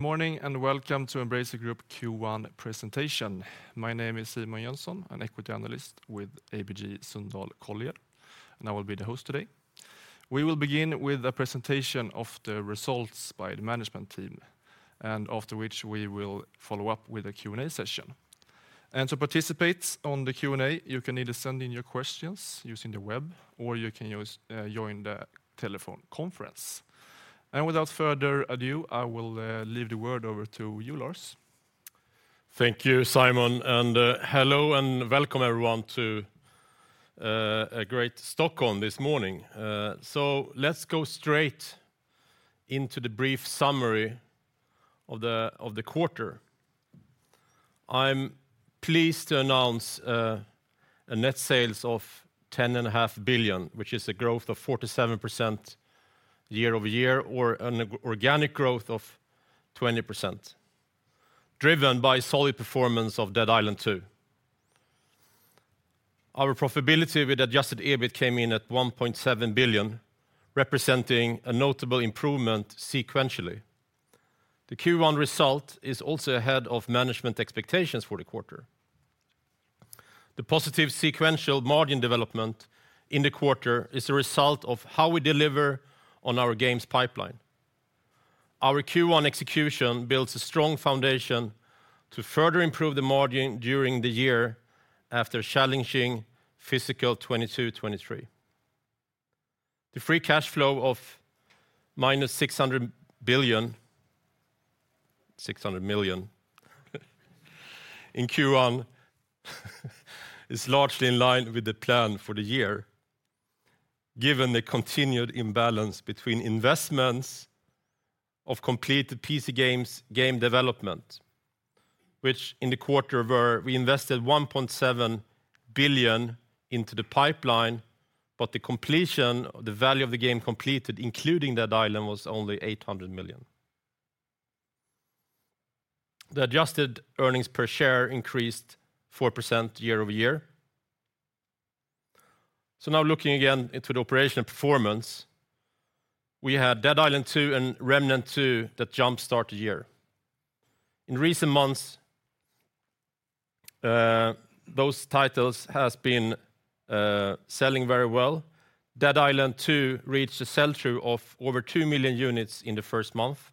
Good morning, and welcome to Embracer Group Q1 presentation. My name is Simon Jönsson, an equity analyst with ABG Sundal Collier, and I will be the host today. We will begin with a presentation of the results by the management team, and after which we will follow up with a Q&A session. To participate on the Q&A, you can either send in your questions using the web, or you can use, join the telephone conference. Without further ado, I will leave the word over to you, Lars. Thank you, Simon. Hello, and welcome everyone to a great Stockholm this morning. Let's go straight into the brief summary of the quarter. I'm pleased to announce a net sales of 10.5 billion, which is a growth of 47% year-over-year, or an organic growth of 20%, driven by solid performance of Dead Island 2. Our profitability with adjusted EBIT came in at 1.7 billion, representing a notable improvement sequentially. The Q1 result is also ahead of management expectations for the quarter. The positive sequential margin development in the quarter is a result of how we deliver on our games pipeline. Our Q1 execution builds a strong foundation to further improve the margin during the year after challenging fiscal 2022, 2023. The free cash flow of -600 million in Q1 is largely in line with the plan for the year, given the continued imbalance between investments of completed PC games, game development, which in the quarter were: we invested 1.7 billion into the pipeline, but the completion, the value of the game completed, including Dead Island, was only 800 million. The adjusted earnings per share increased 4% year-over-year. Now looking again into the operational performance, we had Dead Island 2 and Remnant II that jumpstart the year. In recent months, those titles has been selling very well. Dead Island 2 reached a sell-through of over 2 million units in the first month.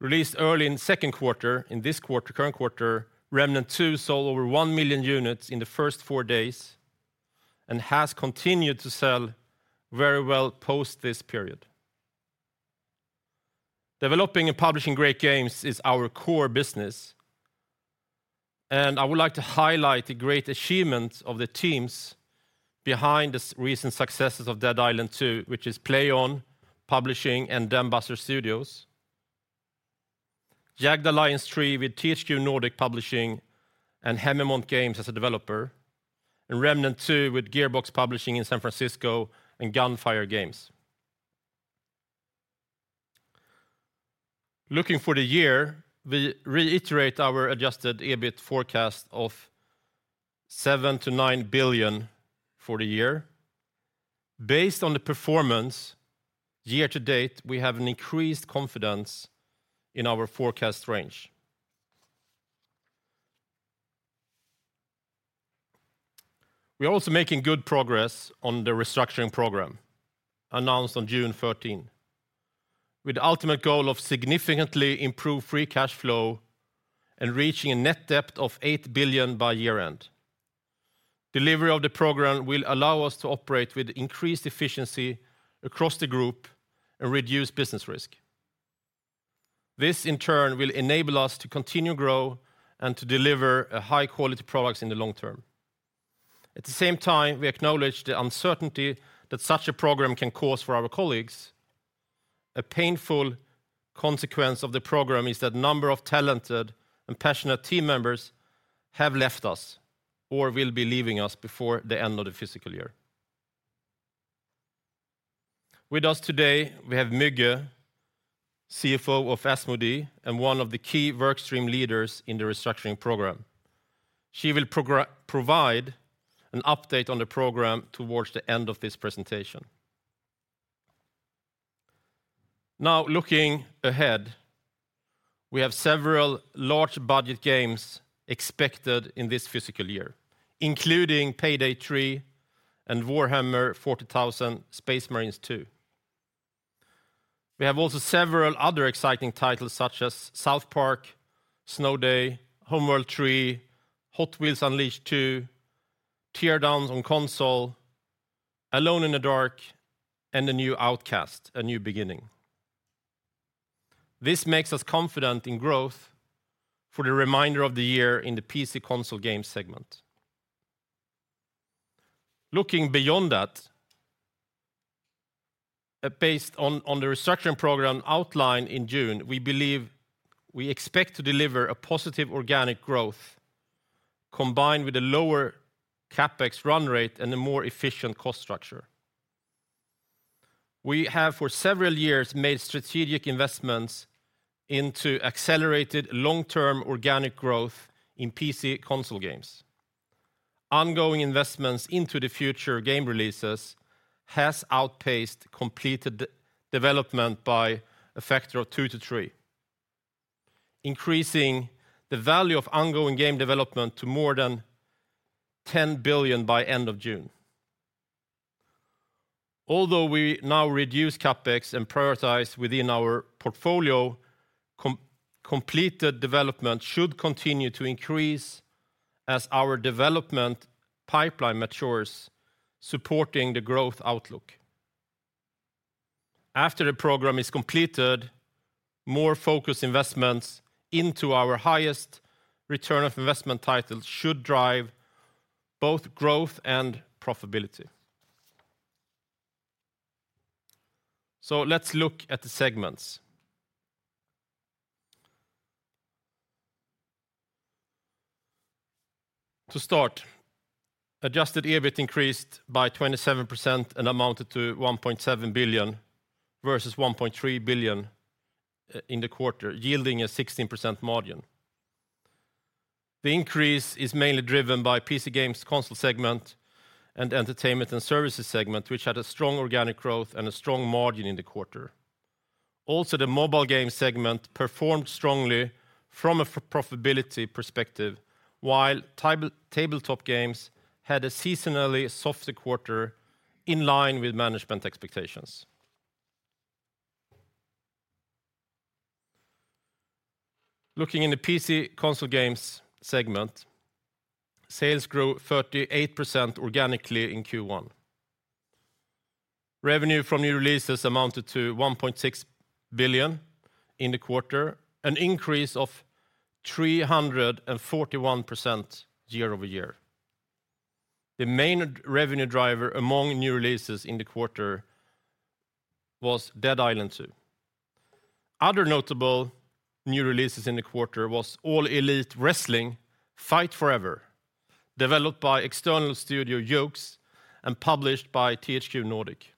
Released early in the second quarter, in this quarter, current quarter, Remnant II sold over 1 million units in the first four days and has continued to sell very well post this period. Developing and publishing great games is our core business, and I would like to highlight the great achievement of the teams behind the recent successes of Dead Island 2, which is Plaion Publishing and Dambuster Studios, Jagged Alliance 3 with THQ Nordic Publishing and Haemimont Games as a developer, and Remnant II with Gearbox Publishing in San Francisco and Gunfire Games. Looking for the year, we reiterate our adjusted EBIT forecast of 7 billion-9 billion for the year. Based on the performance year to date, we have an increased confidence in our forecast range. We are also making good progress on the restructuring program announced on 13th June, with the ultimate goal of significantly improved free cash flow and reaching a net debt of 8 billion by year-end. Delivery of the program will allow us to operate with increased efficiency across the group and reduce business risk. This, in turn, will enable us to continue to grow and to deliver high-quality products in the long term. At the same time, we acknowledge the uncertainty that such a program can cause for our colleagues. A painful consequence of the program is that number of talented and passionate team members have left us or will be leaving us before the end of the fiscal year. With us today, we have Müge, CFO of Asmodee and one of the key work stream leaders in the restructuring program. She will provide an update on the program towards the end of this presentation. Looking ahead, we have several large budget games expected in this fiscal year, including Payday 3 and Warhammer 40,000: Space Marine 2. We have also several other exciting titles, such as South Park: Snow Day!, Homeworld 3, Hot Wheels Unleashed 2, Teardown on Console, Alone in the Dark, and the new Outcast: A New Beginning. This makes us confident in growth for the remainder of the year in the PC console game segment. Looking beyond that, based on the restructuring program outlined in June, we believe we expect to deliver a positive organic growth combined with a lower CapEx run rate and a more efficient cost structure. We have, for several years, made strategic investments into accelerated long-term organic growth in PC console games. ongoing investments into the future game releases has outpaced completed development by a factor of two to three, increasing the value of ongoing game development to more than 10 billion by end of June. Although we now reduce CapEx and prioritize within our portfolio, completed development should continue to increase as our development pipeline matures, supporting the growth outlook. After the program is completed, more focused investments into our highest return of investment titles should drive both growth and profitability. To start, Adjusted EBIT increased by 27% and amounted to 1.7 billion, versus 1.3 billion in the quarter, yielding a 16% margin. The increase is mainly driven by PC console game segment and entertainment and services segment, which had a strong organic growth and a strong margin in the quarter. Also, the mobile game segment performed strongly from a profitability perspective, while tabletop games had a seasonally softer quarter in line with management expectations. Looking in the PC console games segment, sales grew 38% organically in Q1. Revenue from new releases amounted to 1.6 billion in the quarter, an increase of 341% year-over-year. The main revenue driver among new releases in the quarter was Dead Island 2. Other notable new releases in the quarter was All Elite Wrestling: Fight Forever, developed by external studio Yuke's and published by THQ Nordic.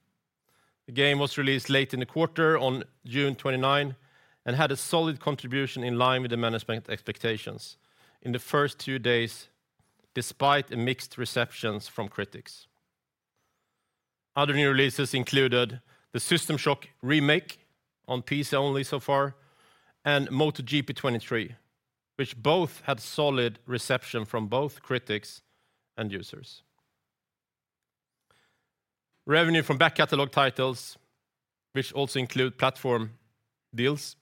The game was released late in the quarter on 29th June and had a solid contribution in line with the management expectations in the first two days, despite a mixed reception from critics. Other new releases included the System Shock remake on PC only so far, and MotoGP 23, which both had solid reception from both critics and users. Revenue from back catalog titles, which also include platform deals,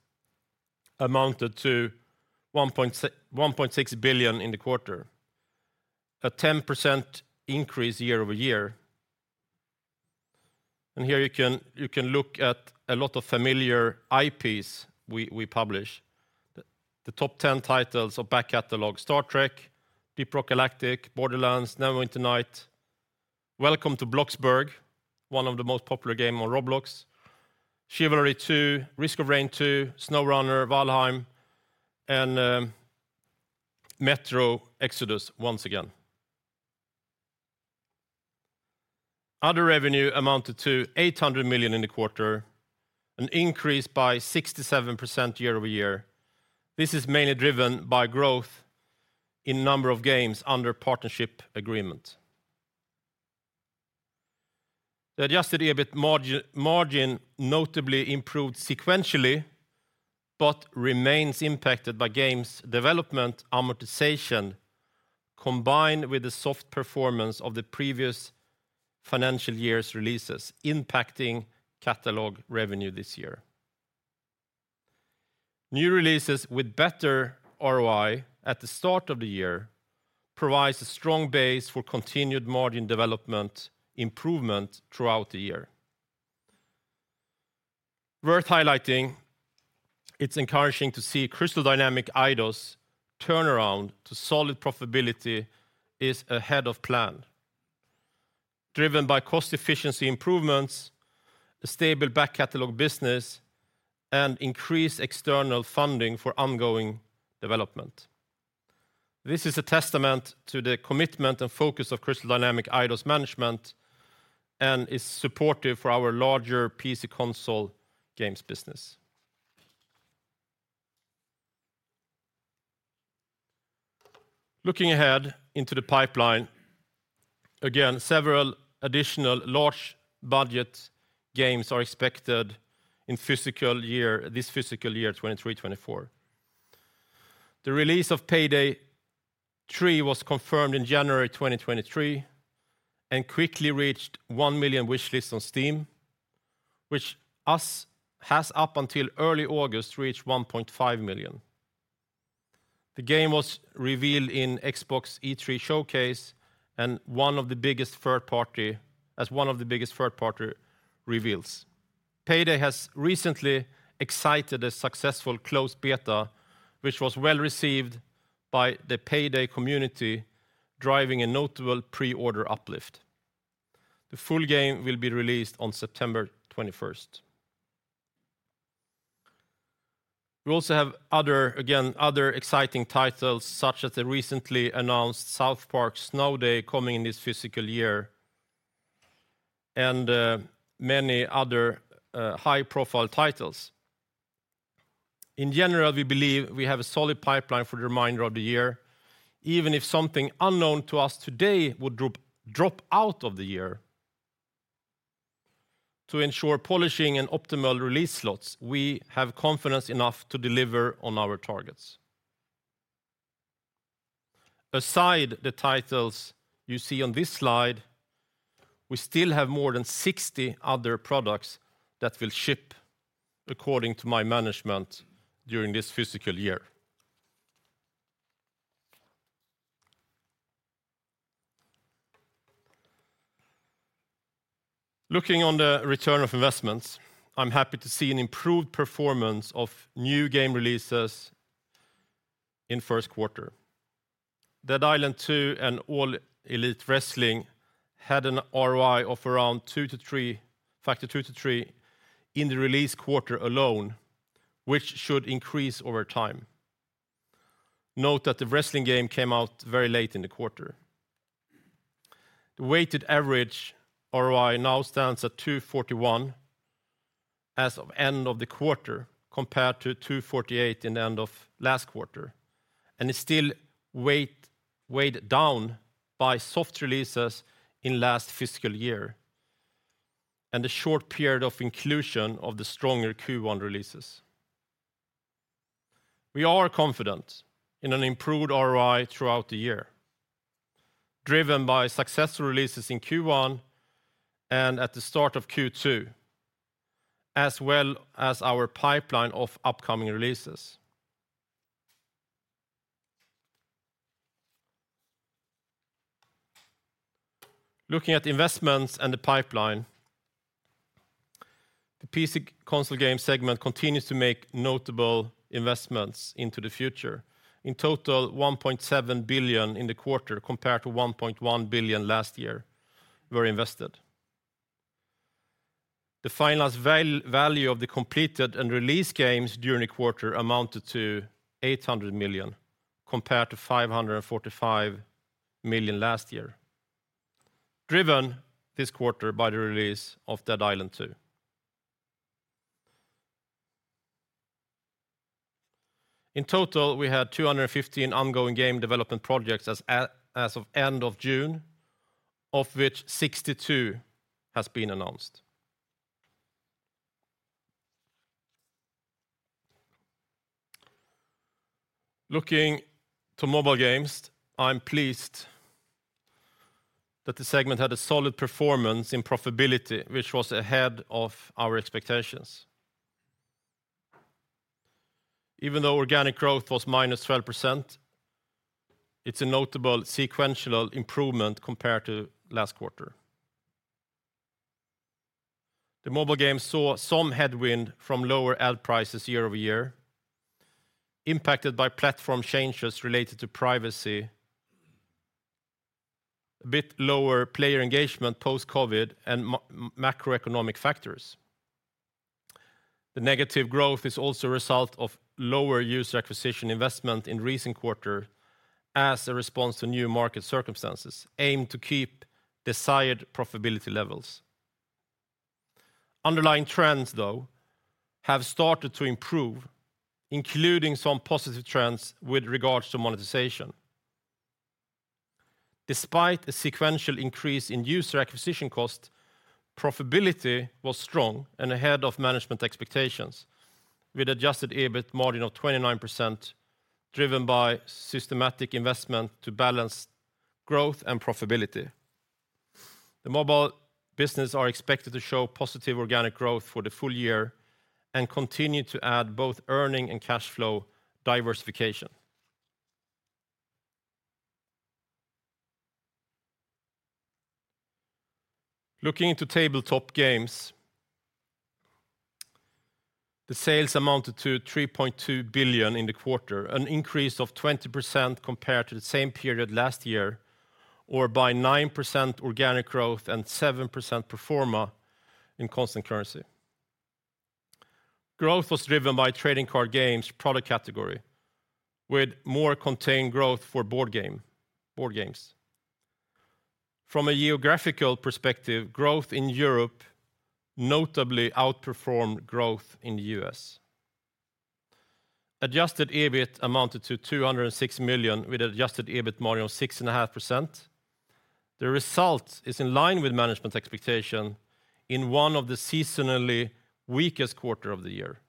amounted to 1.6 billion in the quarter, a 10% increase year-over-year. Here you can, you can look at a lot of familiar IPs we, we publish. The top 10 titles of back catalog: Star Trek, Deep Rock Galactic, Borderlands, Neverwinter Nights, Welcome to Bloxburg, one of the most popular game on Roblox, Chivalry 2, Risk of Rain 2, SnowRunner, Valheim, and Metro Exodus once again. Other revenue amounted to 800 million in the quarter, an increase by 67% year-over-year. This is mainly driven by growth in number of games under partnership agreement. The adjusted EBIT margin notably improved sequentially, but remains impacted by games development amortization, combined with the soft performance of the previous financial year's releases, impacting catalog revenue this year. New releases with better ROI at the start of the year provides a strong base for continued margin development improvement throughout the year. Worth highlighting, it's encouraging to see Crystal Dynamics - Eidos's turnaround to solid profitability is ahead of plan, driven by cost efficiency improvements, a stable back catalog business, and increased external funding for ongoing development. This is a testament to the commitment and focus of Crystal Dynamics - Eidos's management and is supportive for our larger PC console games business. Looking ahead into the pipeline, several additional large budget games are expected in this physical year 2023-2024. The release of Payday 3 was confirmed in January 2023 and quickly reached 1 million wish lists on Steam, which has up until early August, reached 1.5 million. The game was revealed in Xbox E3 Showcase, and one of the biggest third party, as one of the biggest third party reveals. Payday has recently excited a successful closed beta, which was well-received by the Payday community, driving a notable pre-order uplift. The full game will be released on 21st September. We also have other, again, other exciting titles, such as the recently announced South Park: Snow Day! coming in this physical year, many other high-profile titles. In general, we believe we have a solid pipeline for the remainder of the year, even if something unknown to us today would drop, drop out of the year. To ensure polishing and optimal release slots, we have confidence enough to deliver on our targets. Aside the titles you see on this slide, we still have more than 60 other products that will ship according to my management during this fiscal year. Looking on the return of investments, I'm happy to see an improved performance of new game releases in first quarter. Dead Island 2 and All Elite Wrestling had an ROI of around factor 2-3 in the release quarter alone, which should increase over time. Note that the wrestling game came out very late in the quarter. The weighted average ROI now stands at 241 as of end of the quarter, compared to 248 in the end of last quarter, and is still weighed down by soft releases in last fiscal year, and a short period of inclusion of the stronger Q1 releases. We are confident in an improved ROI throughout the year, driven by successful releases in Q1 and at the start of Q2, as well as our pipeline of upcoming releases. Looking at investments and the pipeline, the PC console game segment continues to make notable investments into the future. In total, $1.7 billion in the quarter, compared to $1.1 billion last year, were invested. The finalized value of the completed and released games during the quarter amounted to $800 million, compared to $545 million last year, driven this quarter by the release of Dead Island 2. In total, we had 215 ongoing game development projects as of end of June, of which 62 has been announced. Looking to mobile games, I'm pleased that the segment had a solid performance in profitability, which was ahead of our expectations. Even though organic growth was -12%, it's a notable sequential improvement compared to last quarter. The mobile game saw some headwind from lower ad prices year-over-year, impacted by platform changes related to privacy, a bit lower player engagement post-COVID, and macroeconomic factors. The negative growth is also a result of lower user acquisition investment in recent quarter as a response to new market circumstances, aimed to keep desired profitability levels. Underlying trends, though, have started to improve, including some positive trends with regards to monetization. Despite a sequential increase in user acquisition cost, profitability was strong and ahead of management expectations, with adjusted EBIT margin of 29%, driven by systematic investment to balance growth and profitability. The mobile business are expected to show positive organic growth for the full year and continue to add both earning and cash flow diversification. Looking into tabletop games, the sales amounted to $3.2 billion in the quarter, an increase of 20% compared to the same period last year, or by 9% organic growth and 7% pro forma in constant currency. Growth was driven by trading card games product category, with more contained growth for board games. From a geographical perspective, growth in Europe notably outperformed growth in the US. Adjusted EBIT amounted to $206 million, with adjusted EBIT margin of 6.5%. The result is in line with management expectations in one of the seasonally weakest quarter of the year.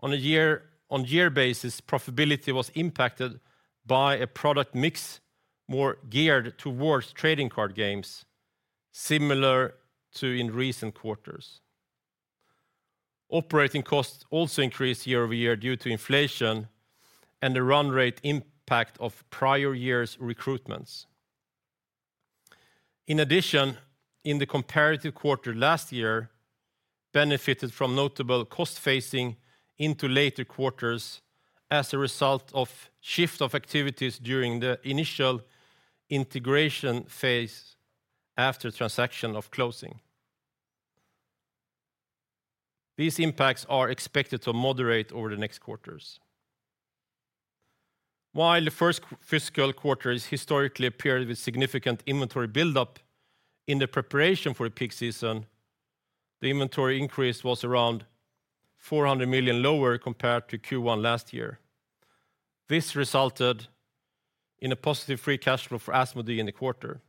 On a year-on-year basis, profitability was impacted by a product mix more geared towards trading card games, similar to in recent quarters. Operating costs also increased year-over-year due to inflation and the run rate impact of prior years' recruitments. In addition, in the comparative quarter last year, benefited from notable cost-phasing into later quarters as a result of shift of activities during the initial integration phase after transaction of closing. These impacts are expected to moderate over the next quarters. While the first fiscal quarter is historically a period with significant inventory buildup, in the preparation for the peak season, the inventory increase was around 400 million lower compared to Q1 last year. This resulted in a positive free cash flow for Asmodee in the quarter.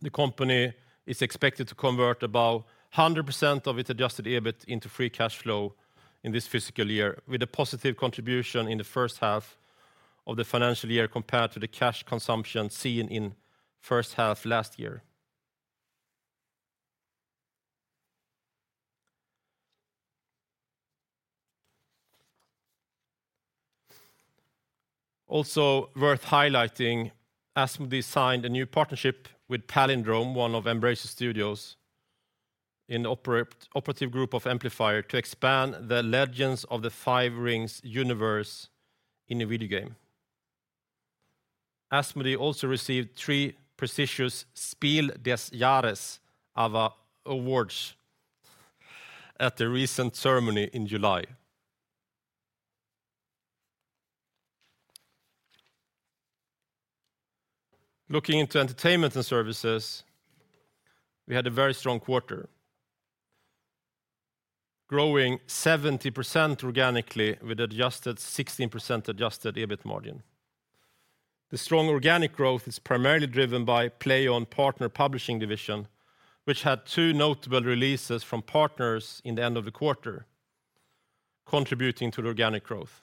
The company is expected to convert about 100% of its adjusted EBIT into free cash flow in this fiscal year, with a positive contribution in the first half of the financial year compared to the cash consumption seen in first half last year. Also worth highlighting, Asmodee signed a new partnership with Palindrome, one of Embracer Studios, in operative group of Amplifier, to expand the Legend of the Five Rings universe in a video game. Asmodee also received three prestigious Spiel des Jahres awards at the recent ceremony in July. Looking into entertainment and services, we had a very strong quarter, growing 70% organically, with 16% adjusted EBIT margin. The strong organic growth is primarily driven by Plaion partner publishing division, which had two notable releases from partners in the end of the quarter, contributing to the organic growth.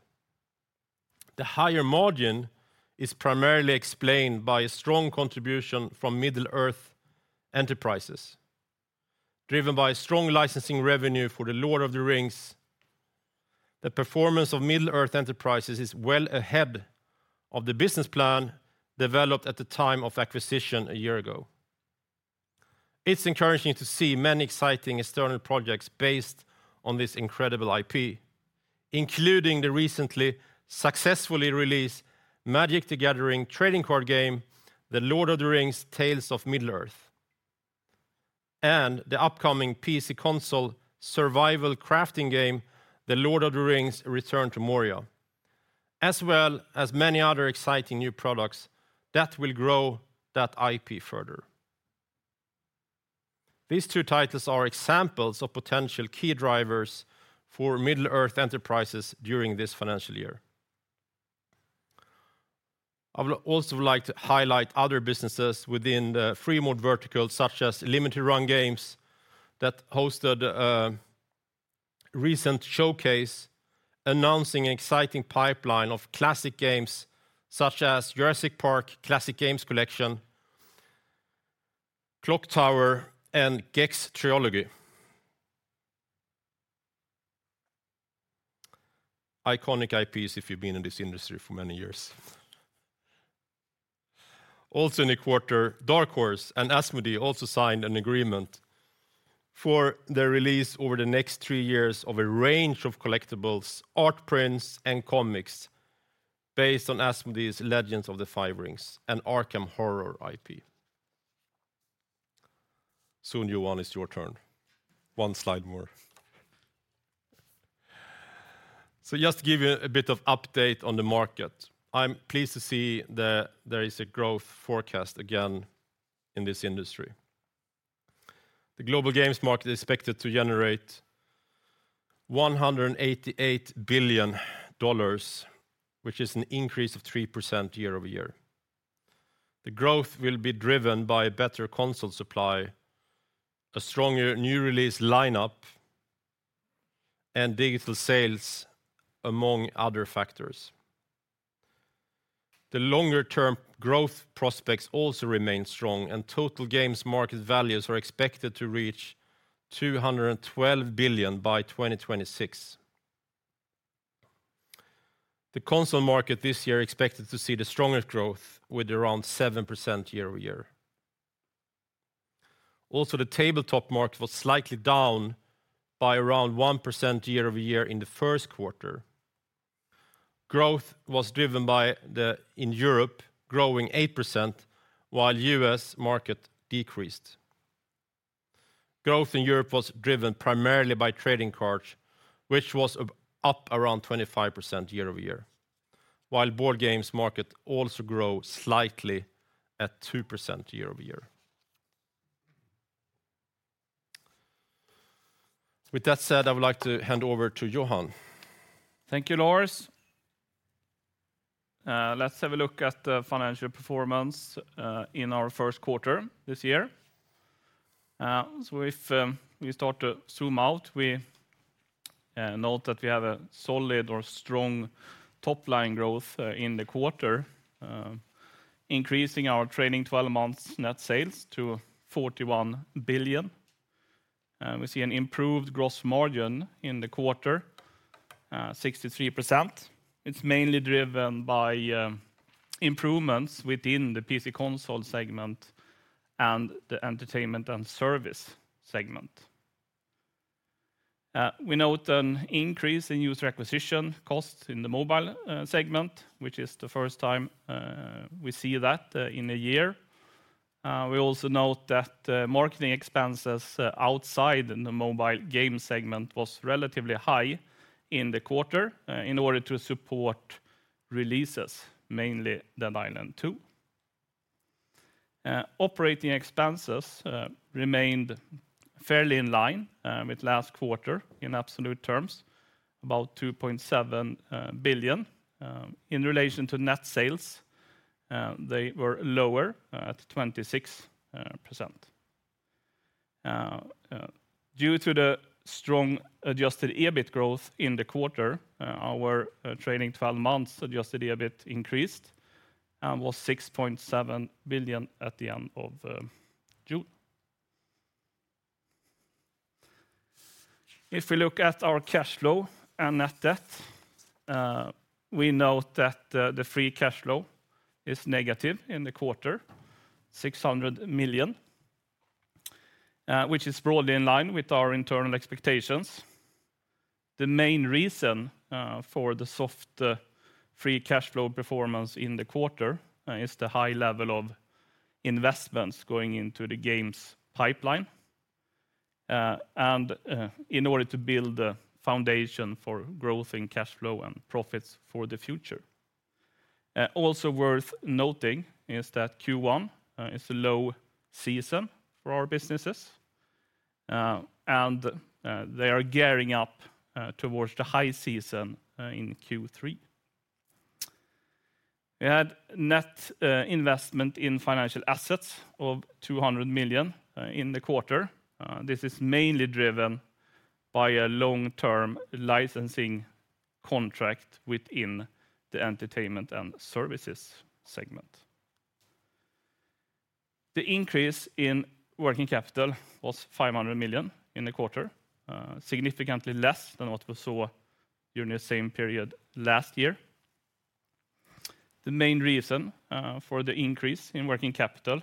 The higher margin is primarily explained by a strong contribution from Middle-earth Enterprises, driven by strong licensing revenue for The Lord of the Rings. The performance of Middle-earth Enterprises is well ahead of the business plan developed at the time of acquisition a year ago. It's encouraging to see many exciting external projects based on this incredible IP, including the recently successfully released Magic: The Gathering trading card game, The Lord of the Rings: Tales of Middle-earth, and the upcoming PC console survival crafting game, The Lord of the Rings: Return to Moria, as well as many other exciting new products that will grow that IP further. These two titles are examples of potential key drivers for Middle-earth Enterprises during this financial year. I would also like to highlight other businesses within the free mode vertical, such as Limited Run Games, that hosted a recent showcase announcing an exciting pipeline of classic games such as Jurassic Park: Classic Games Collection, Clock Tower, and Gex Trilogy. Iconic IPs if you've been in this industry for many years. In the quarter, Dark Horse and Asmodee also signed an agreement for the release over the next three years of a range of collectibles, art prints, and comics based on Asmodee's Legend of the Five Rings and Arkham Horror IP. Soon, Johan, it's your turn. One slide more. Just to give you a bit of update on the market, I'm pleased to see that there is a growth forecast again in this industry. The global games market is expected to generate $188 billion, which is an increase of 3% year-over-year. The growth will be driven by better console supply, a stronger new release lineup, and digital sales, among other factors. The longer-term growth prospects also remain strong. Total games market values are expected to reach $212 billion by 2026. The console market this year expected to see the strongest growth with around 7% year-over-year. The tabletop market was slightly down by around 1% year-over-year in the first quarter. Growth was driven in Europe, growing 8%, while U.S. market decreased. Growth in Europe was driven primarily by trading cards, which was up around 25% year-over-year, while board games market also grow slightly at 2% year-over-year. With that said, I would like to hand over to Johan. Thank you, Lars. Let's have a look at the financial performance in our first quarter this year. If we start to zoom out, we note that we have a solid or strong top-line growth in the quarter, increasing our trailing 12 months net sales to 41 billion. We see an improved gross margin in the quarter, 63%. It's mainly driven by improvements within the PC console segment and the entertainment and service segment. We note an increase in user acquisition costs in the mobile segment, which is the first time we see that in a year. We also note that marketing expenses outside in the mobile game segment was relatively high in the quarter in order to support releases, mainly Dead Island 2. Operating expenses remained fairly in line with last quarter in absolute terms, about 2.7 billion. In relation to net sales, they were lower at 26%. Due to the strong adjusted EBIT growth in the quarter, our trailing twelve months adjusted EBIT increased and was 6.7 billion at the end of June. If we look at our cash flow and net debt, we note that the free cash flow is negative in the quarter, 600 million, which is broadly in line with our internal expectations. The main reason for the soft free cash flow performance in the quarter is the high level of investments going into the games pipeline and in order to build a foundation for growth in cash flow and profits for the future. Also worth noting is that Q1 is a low season for our businesses and they are gearing up towards the high season in Q3. We had net investment in financial assets of 200 million in the quarter. This is mainly driven by a long-term licensing contract within the entertainment and services segment. The increase in working capital was 500 million in the quarter, significantly less than what we saw during the same period last year. The main reason for the increase in working capital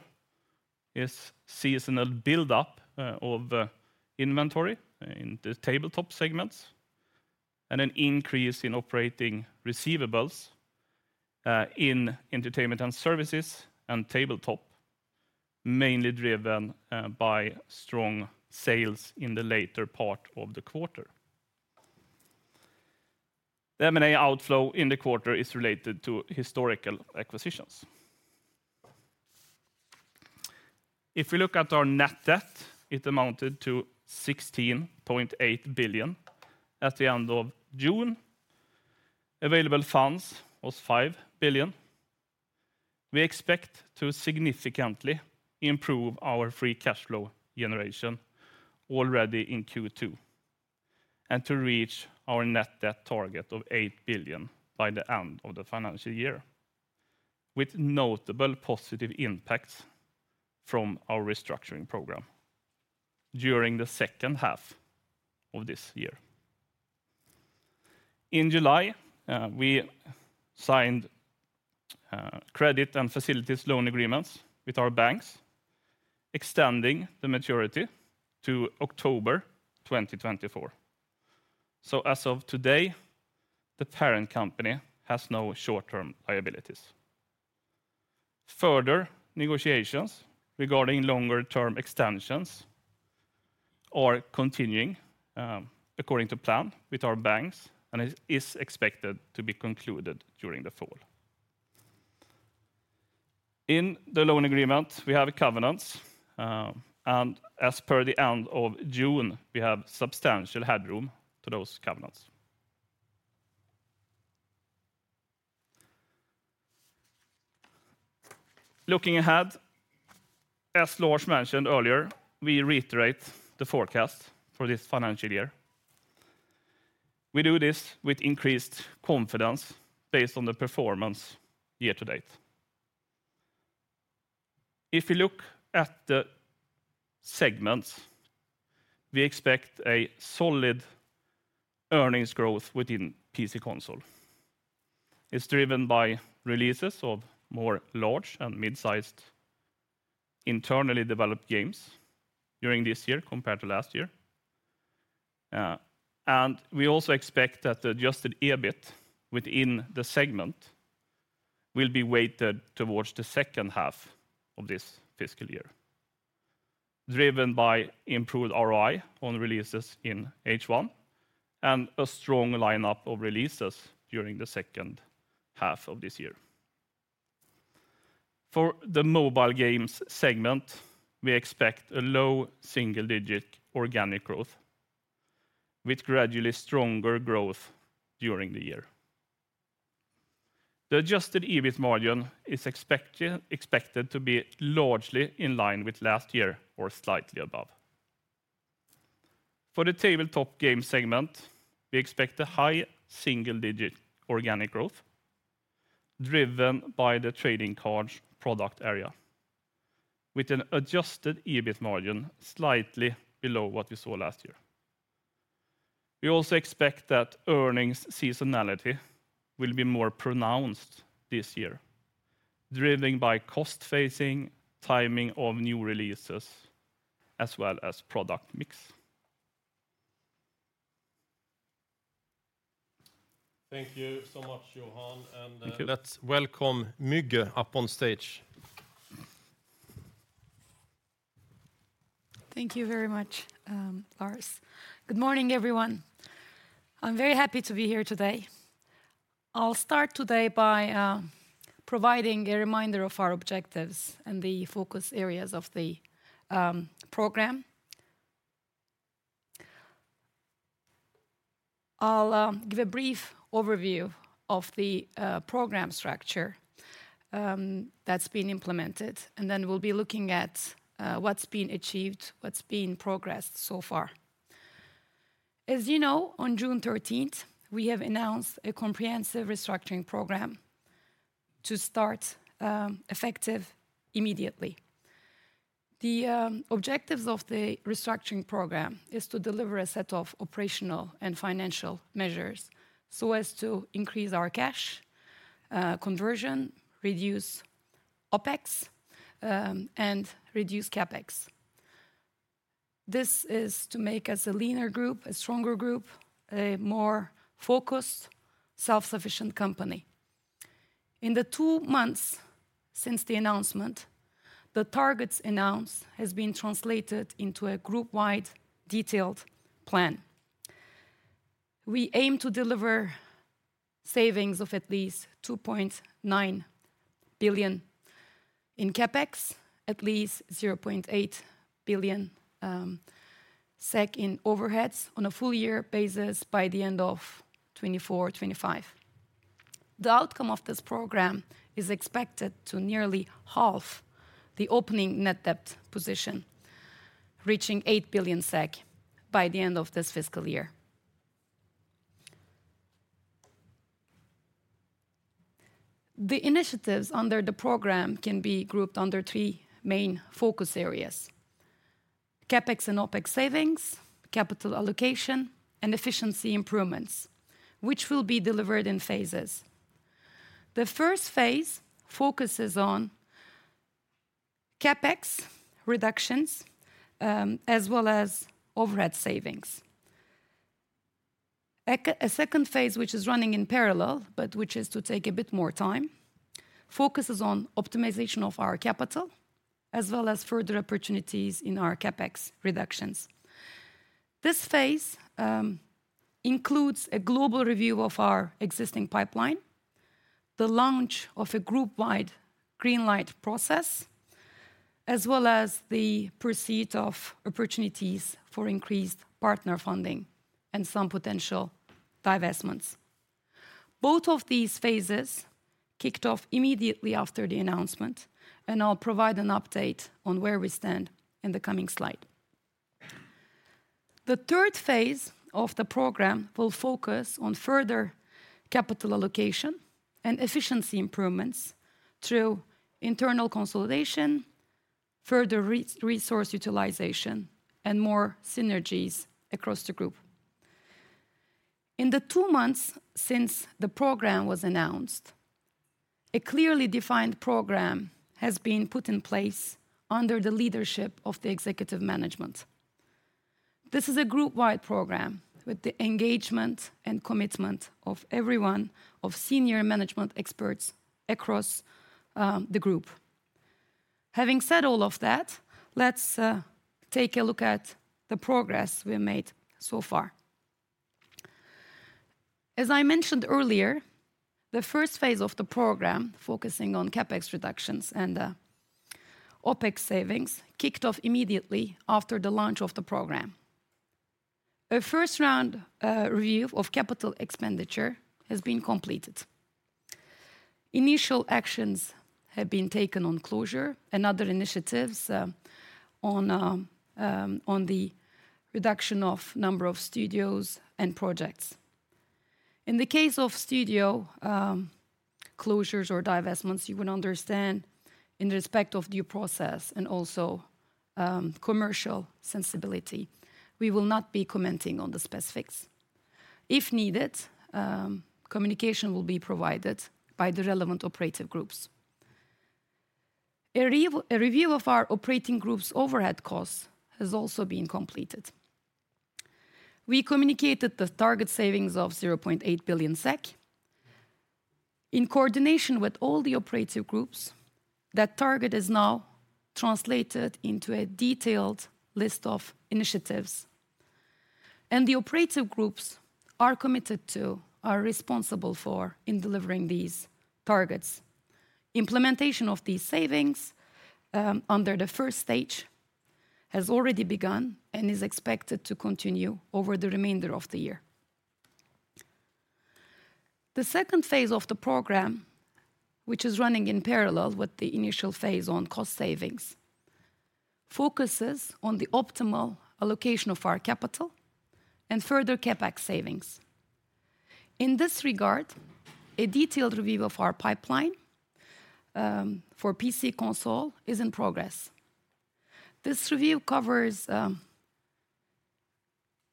is seasonal build-up of inventory in the tabletop segments, and an increase in operating receivables in entertainment and services and tabletop, mainly driven by strong sales in the later part of the quarter. The M&A outflow in the quarter is related to historical acquisitions. If we look at our net debt, it amounted to 16.8 billion at the end of June. Available funds was 5 billion. We expect to significantly improve our free cash flow generation already in Q2, and to reach our net debt target of 8 billion by the end of the financial year, with notable positive impacts from our restructuring program during the second half of this year. In July, we signed credit and facilities loan agreements with our banks, extending the maturity to October 2024. As of today, the parent company has no short-term liabilities. Further negotiations regarding longer-term extensions are continuing, according to plan with our banks, and it is expected to be concluded during the fall. In the loan agreement, we have covenants, and as per the end of June, we have substantial headroom to those covenants. Looking ahead, as Lars mentioned earlier, we reiterate the forecast for this financial year. We do this with increased confidence based on the performance year to date. If you look at the segments, we expect a solid earnings growth within PC console. It's driven by releases of more large and mid-sized internally developed games during this year compared to last year. We also expect that the adjusted EBIT within the segment will be weighted towards the second half of this fiscal year, driven by improved ROI on releases in H1, and a strong lineup of releases during the second half of this year. For the mobile games segment, we expect a low single-digit organic growth with gradually stronger growth during the year. The adjusted EBIT margin is expected to be largely in line with last year or slightly above. For the tabletop game segment, we expect a high single-digit organic growth, driven by the trading cards product area, with an adjusted EBIT margin slightly below what we saw last year. We also expect that earnings seasonality will be more pronounced this year, driven by cost phasing, timing of new releases, as well as product mix. Thank you so much, Johan, and Thank you. Let's welcome Muge up on stage. Thank you very much, Lars. Good morning, everyone. I'm very happy to be here today. I'll start today by providing a reminder of our objectives and the focus areas of the program. I'll give a brief overview of the program structure that's been implemented, and then we'll be looking at what's been achieved, what's been progressed so far. As you know, on 13th June, we have announced a comprehensive restructuring program to start effective immediately. The objectives of the restructuring program is to deliver a set of operational and financial measures so as to increase our cash conversion, reduce OpEx, and reduce CapEx. This is to make us a leaner group, a stronger group, a more focused, self-sufficient company. In the two months since the announcement, the targets announced has been translated into a group-wide, detailed plan. We aim to deliver savings of at least 2.9 billion in CapEx, at least 0.8 billion SEK in overheads on a full year basis by the end of 2024, 2025. The outcome of this program is expected to nearly halve the opening net debt position, reaching 8 billion SEK by the end of this fiscal year. The initiatives under the program can be grouped under three main focus areas: CapEx and OpEx savings, capital allocation, and efficiency improvements, which will be delivered in phases. The first phase focuses on CapEx reductions, as well as overhead savings. A second phase, which is running in parallel, but which is to take a bit more time, focuses on optimization of our capital, as well as further opportunities in our CapEx reductions. This phase includes a global review of our existing pipeline, the launch of a group-wide greenlight process, as well as the pursuit of opportunities for increased partner funding and some potential divestments. Both of these phases kicked off immediately after the announcement. I'll provide an update on where we stand in the coming slide. The third phase of the program will focus on further capital allocation and efficiency improvements through internal consolidation, further re- resource utilization, and more synergies across the group. In the two months since the program was announced, a clearly defined program has been put in place under the leadership of the executive management. This is a group-wide program with the engagement and commitment of everyone, of senior management experts across the group. Having said all of that, let's take a look at the progress we have made so far. As I mentioned earlier, the first phase of the program, focusing on CapEx reductions and OpEx savings, kicked off immediately after the launch of the program. A first-round review of capital expenditure has been completed. Initial actions have been taken on closure and other initiatives on the reduction of number of studios and projects. In the case of studio closures or divestments, you would understand in respect of due process and also commercial sensibility, we will not be commenting on the specifics. If needed, communication will be provided by the relevant operative groups. A review of our operating group's overhead costs has also been completed. We communicated the target savings of 0.8 billion SEK. In coordination with all the operative groups, that target is now translated into a detailed list of initiatives. The operative groups are committed to, are responsible for, in delivering these targets. Implementation of these savings under the first stage has already begun and is expected to continue over the remainder of the year. The second phase of the program, which is running in parallel with the initial phase on cost savings, focuses on the optimal allocation of our capital and further CapEx savings. In this regard, a detailed review of our pipeline for PC console is in progress. This review covers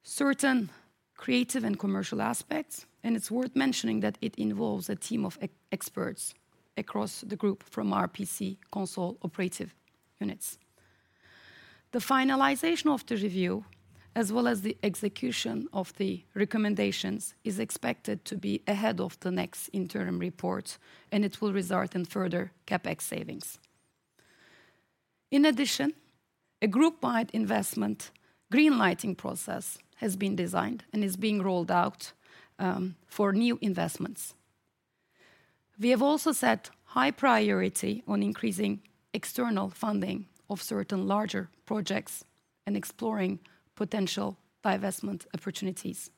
certain creative and commercial aspects, and it's worth mentioning that it involves a team of experts across the group from our PC console operative units. The finalization of the review, as well as the execution of the recommendations, is expected to be ahead of the next interim report. It will result in further CapEx savings. In addition, a group-wide investment greenlighting process has been designed and is being rolled out for new investments. We have also set high priority on increasing external funding of certain larger projects and exploring potential divestment opportunities.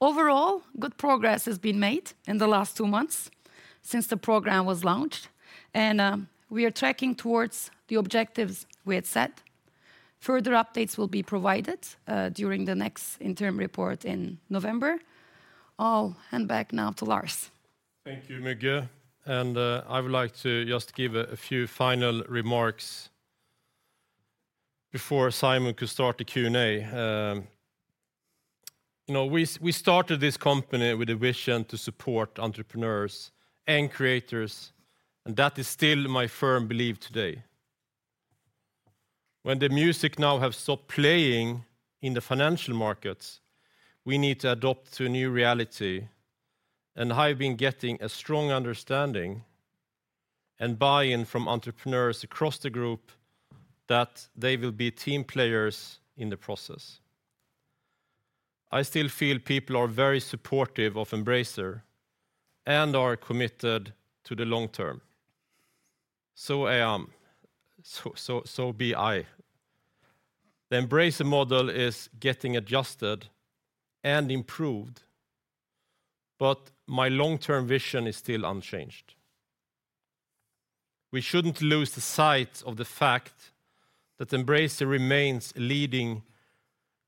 Overall, good progress has been made in the last two months since the program was launched. We are tracking towards the objectives we had set. Further updates will be provided during the next interim report in November. I'll hand back now to Lars. Thank you, Müge. I would like to just give a few final remarks before Simon could start the Q&A. You know, we started this company with a vision to support entrepreneurs and creators, and that is still my firm belief today. When the music now have stopped playing in the financial markets, we need to adopt to a new reality, and I've been getting a strong understanding and buy-in from entrepreneurs across the group that they will be team players in the process. I still feel people are very supportive of Embracer and are committed to the long term. So, so, so be I. The Embracer model is getting adjusted and improved, but my long-term vision is still unchanged. We shouldn't lose the sight of the fact that Embracer remains a leading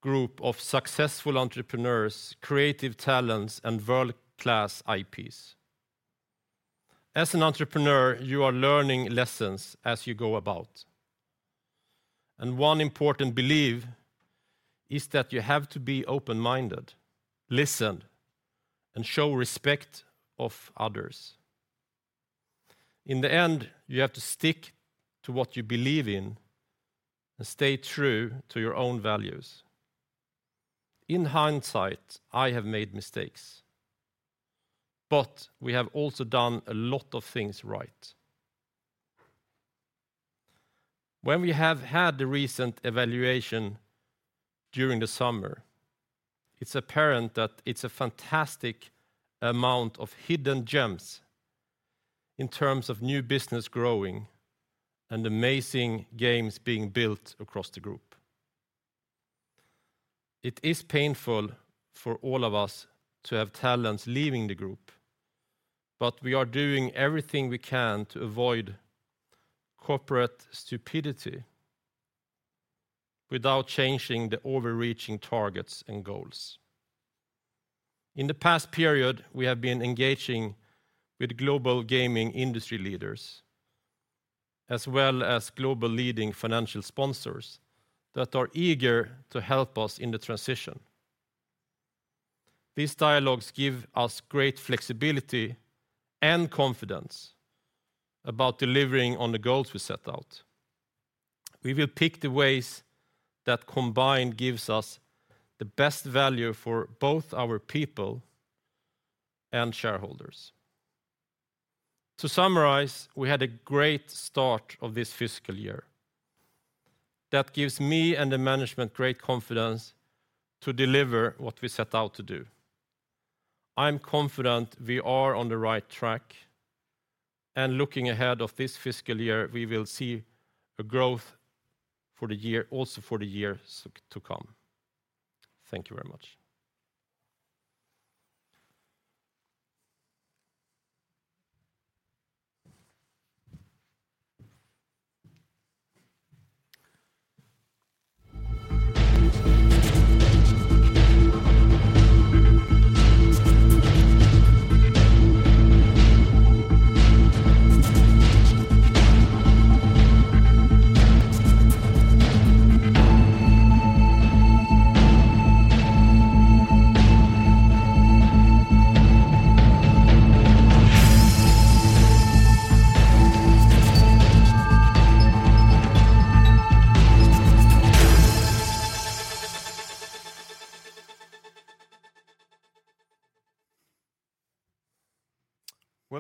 group of successful entrepreneurs, creative talents, and world-class IPs. As an entrepreneur, you are learning lessons as you go about, and one important belief is that you have to be open-minded, listen, and show respect of others. In the end, you have to stick to what you believe in and stay true to your own values. In hindsight, I have made mistakes, but we have also done a lot of things right. When we have had the recent evaluation during the summer, it's apparent that it's a fantastic amount of hidden gems in terms of new business growing and amazing games being built across the group. It is painful for all of us to have talents leaving the group, but we are doing everything we can to avoid corporate stupidity without changing the overreaching targets and goals. In the past period, we have been engaging with global gaming industry leaders, as well as global leading financial sponsors that are eager to help us in the transition. These dialogues give us great flexibility and confidence about delivering on the goals we set out. We will pick the ways that combined gives us the best value for both our people and shareholders. To summarize, we had a great start of this fiscal year. That gives me and the management great confidence to deliver what we set out to do. I'm confident we are on the right track, and looking ahead of this fiscal year, we will see a growth for the year, also for the years to come. Thank you very much.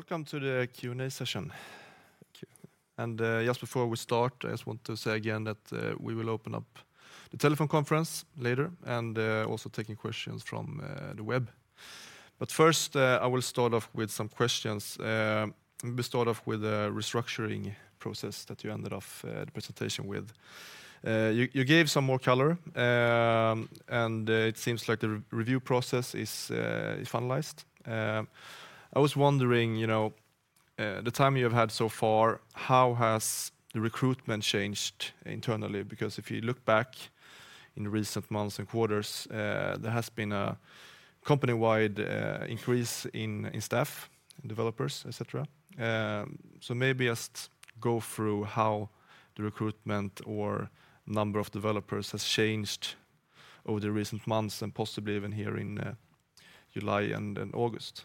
Welcome to the Q&A session. Thank you. Just before we start, I just want to say again that we will open up the telephone conference later, and also taking questions from the web. First, I will start off with some questions. We start off with the restructuring process that you ended off the presentation with. You, you gave some more color, and it seems like the re- review process is finalized. I was wondering, you know, the time you have had so far, how has the recruitment changed internally? Because if you look back in recent months and quarters, there has been a company-wide increase in staff, developers, etc. So maybe just go through how the recruitment or number of developers has changed over the recent months and possibly even here in July and in August.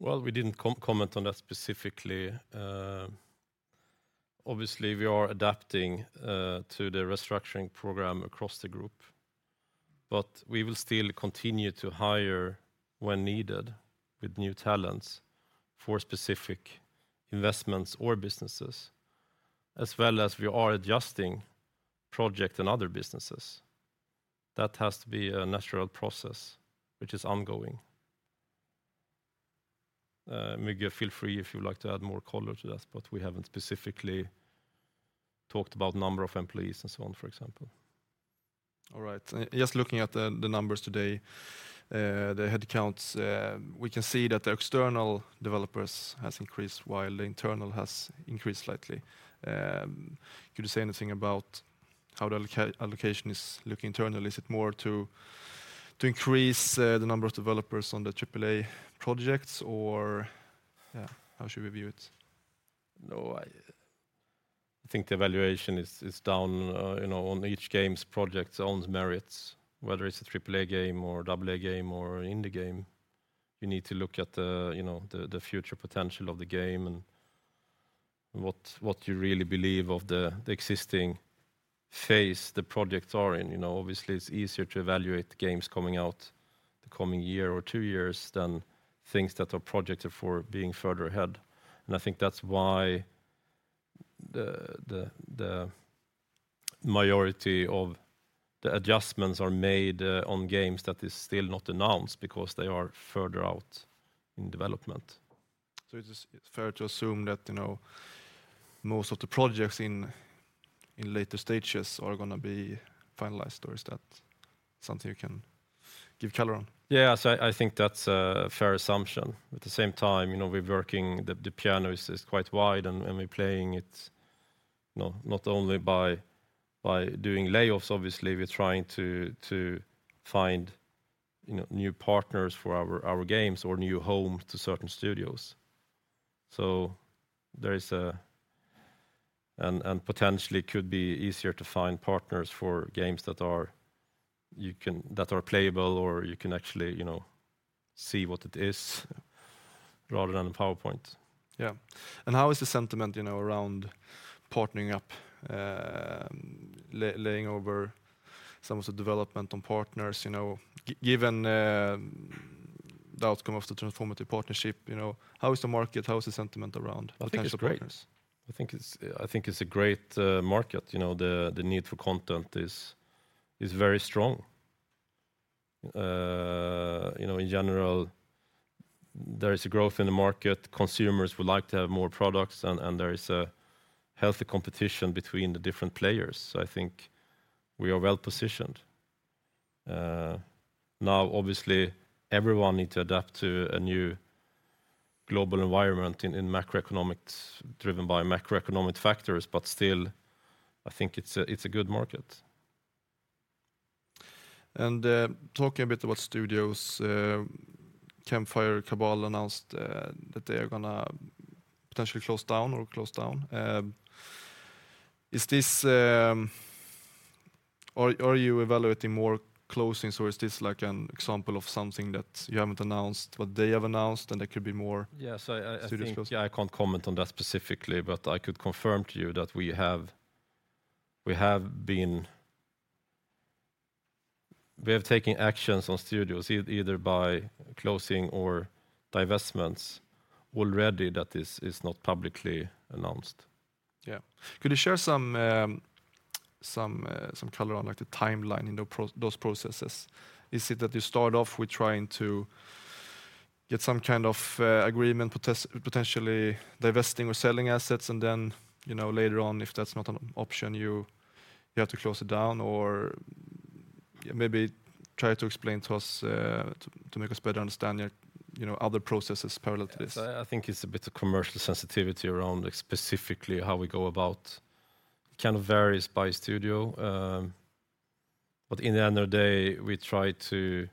Well, we didn't comment on that specifically. Obviously, we are adapting to the restructuring program across the group, but we will still continue to hire when needed with new talents for specific investments or businesses, as well as we are adjusting project and other businesses. That has to be a natural process, which is ongoing. Müge, feel free if you would like to add more color to that, but we haven't specifically talked about number of employees and so on, for example. All right. Just looking at the, the numbers today, the headcounts, we can see that the external developers has increased while the internal has increased slightly. Could you say anything about how the allocation is looking internally? Is it more to, to increase the number of developers on the AAA projects or, yeah, how should we view it? No, I think the evaluation is, is down, you know, on each game's project's own merits, whether it's a AAA game or AA game or indie game, you need to look at the, you know, the, the future potential of the game and what, what you really believe of the, the existing phase the projects are in. You know, obviously, it's easier to evaluate the games coming out the coming year or two years than things that are projected for being further ahead. I think that's why the, the, the majority of the adjustments are made, on games that is still not announced because they are further out in development. Is it fair to assume that, you know, most of the projects in, in later stages are gonna be finalized, or is that something you can give color on? Yeah, so I, I think that's a fair assumption. At the same time, you know, we're working the piano is quite wide, and we're playing it, you know, not only by doing layoffs, obviously, we're trying to find, you know, new partners for our games or new home to certain studios. Potentially could be easier to find partners for games that are playable, or you can actually, you know, see what it is rather than a PowerPoint. Yeah. How is the sentiment, you know, around partnering up, laying over some of the development on partners, you know, given the outcome of the transformative partnership, you know, how is the market? How is the sentiment around potential partners? I think it's great. I think it's, I think it's a great market. You know, the, the need for content is, is very strong. You know, in general, there is a growth in the market. Consumers would like to have more products, and, and there is a healthy competition between the different players. I think we are well positioned. Now, obviously, everyone need to adapt to a new global environment in, in macroeconomics, driven by macroeconomic factors, still, I think it's a, it's a good market. Talking a bit about studios, Campfire Cabal announced that they are gonna potentially close down or close down. Are you evaluating more closings, or is this like an example of something that you haven't announced, what they have announced, and there could be more? Yes, I. Studio close? I think, yeah, I can't comment on that specifically, but I could confirm to you that we have, we have taken actions on studios, either by closing or divestments already that is, is not publicly announced. Yeah. Could you share some some color on, like, the timeline in those processes? Is it that you start off with trying to get some kind of agreement, potentially divesting or selling assets, and then, you know, later on, if that's not an option, you, you have to close it down, or maybe try to explain to us to make us better understand your, you know, other processes parallel to this? Yes, I, I think it's a bit of commercial sensitivity around, like, specifically how we go about. It kind of varies by studio, but in the end of the day, we try to,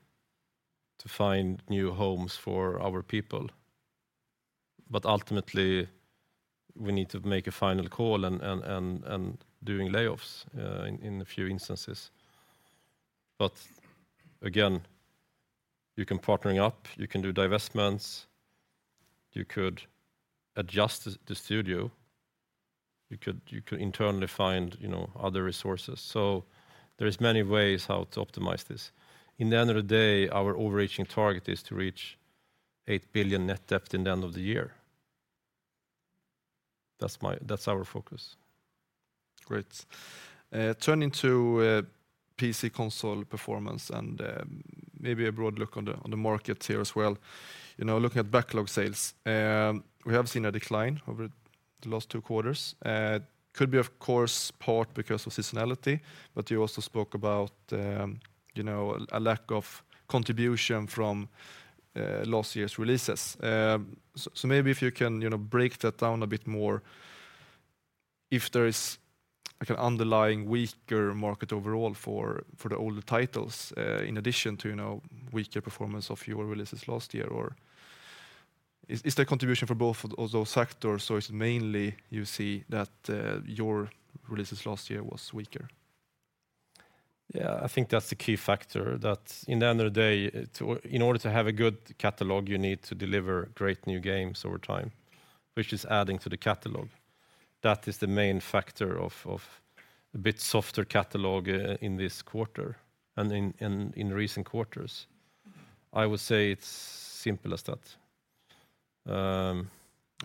to find new homes for our people. Ultimately, we need to make a final call and, and, and, and doing layoffs in a few instances. Again, you can partnering up, you can do divestments, you could adjust the, the studio, you could, you could internally find, you know, other resources. There is many ways how to optimize this. In the end of the day, our overarching target is to reach 8 billion net debt in the end of the year. That's our focus. Great. Turning to PC console performance and maybe a broad look on the market here as well. You know, looking at backlog sales, we have seen a decline over the last two quarters. Could be, of course, part because of seasonality, but you also spoke about, you know, a lack of contribution from last year's releases. Maybe if you can, you know, break that down a bit more, if there is like an underlying weaker market overall for the older titles, in addition to, you know, weaker performance of your releases last year, or is the contribution for both of those factors, or it's mainly you see that your releases last year was weaker? Yeah, I think that's the key factor, that at the end of the day, in order to have a good catalog, you need to deliver great new games over time, which is adding to the catalog. That is the main factor of, of a bit softer catalog in this quarter and in, and in recent quarters. I would say it's simple as that. All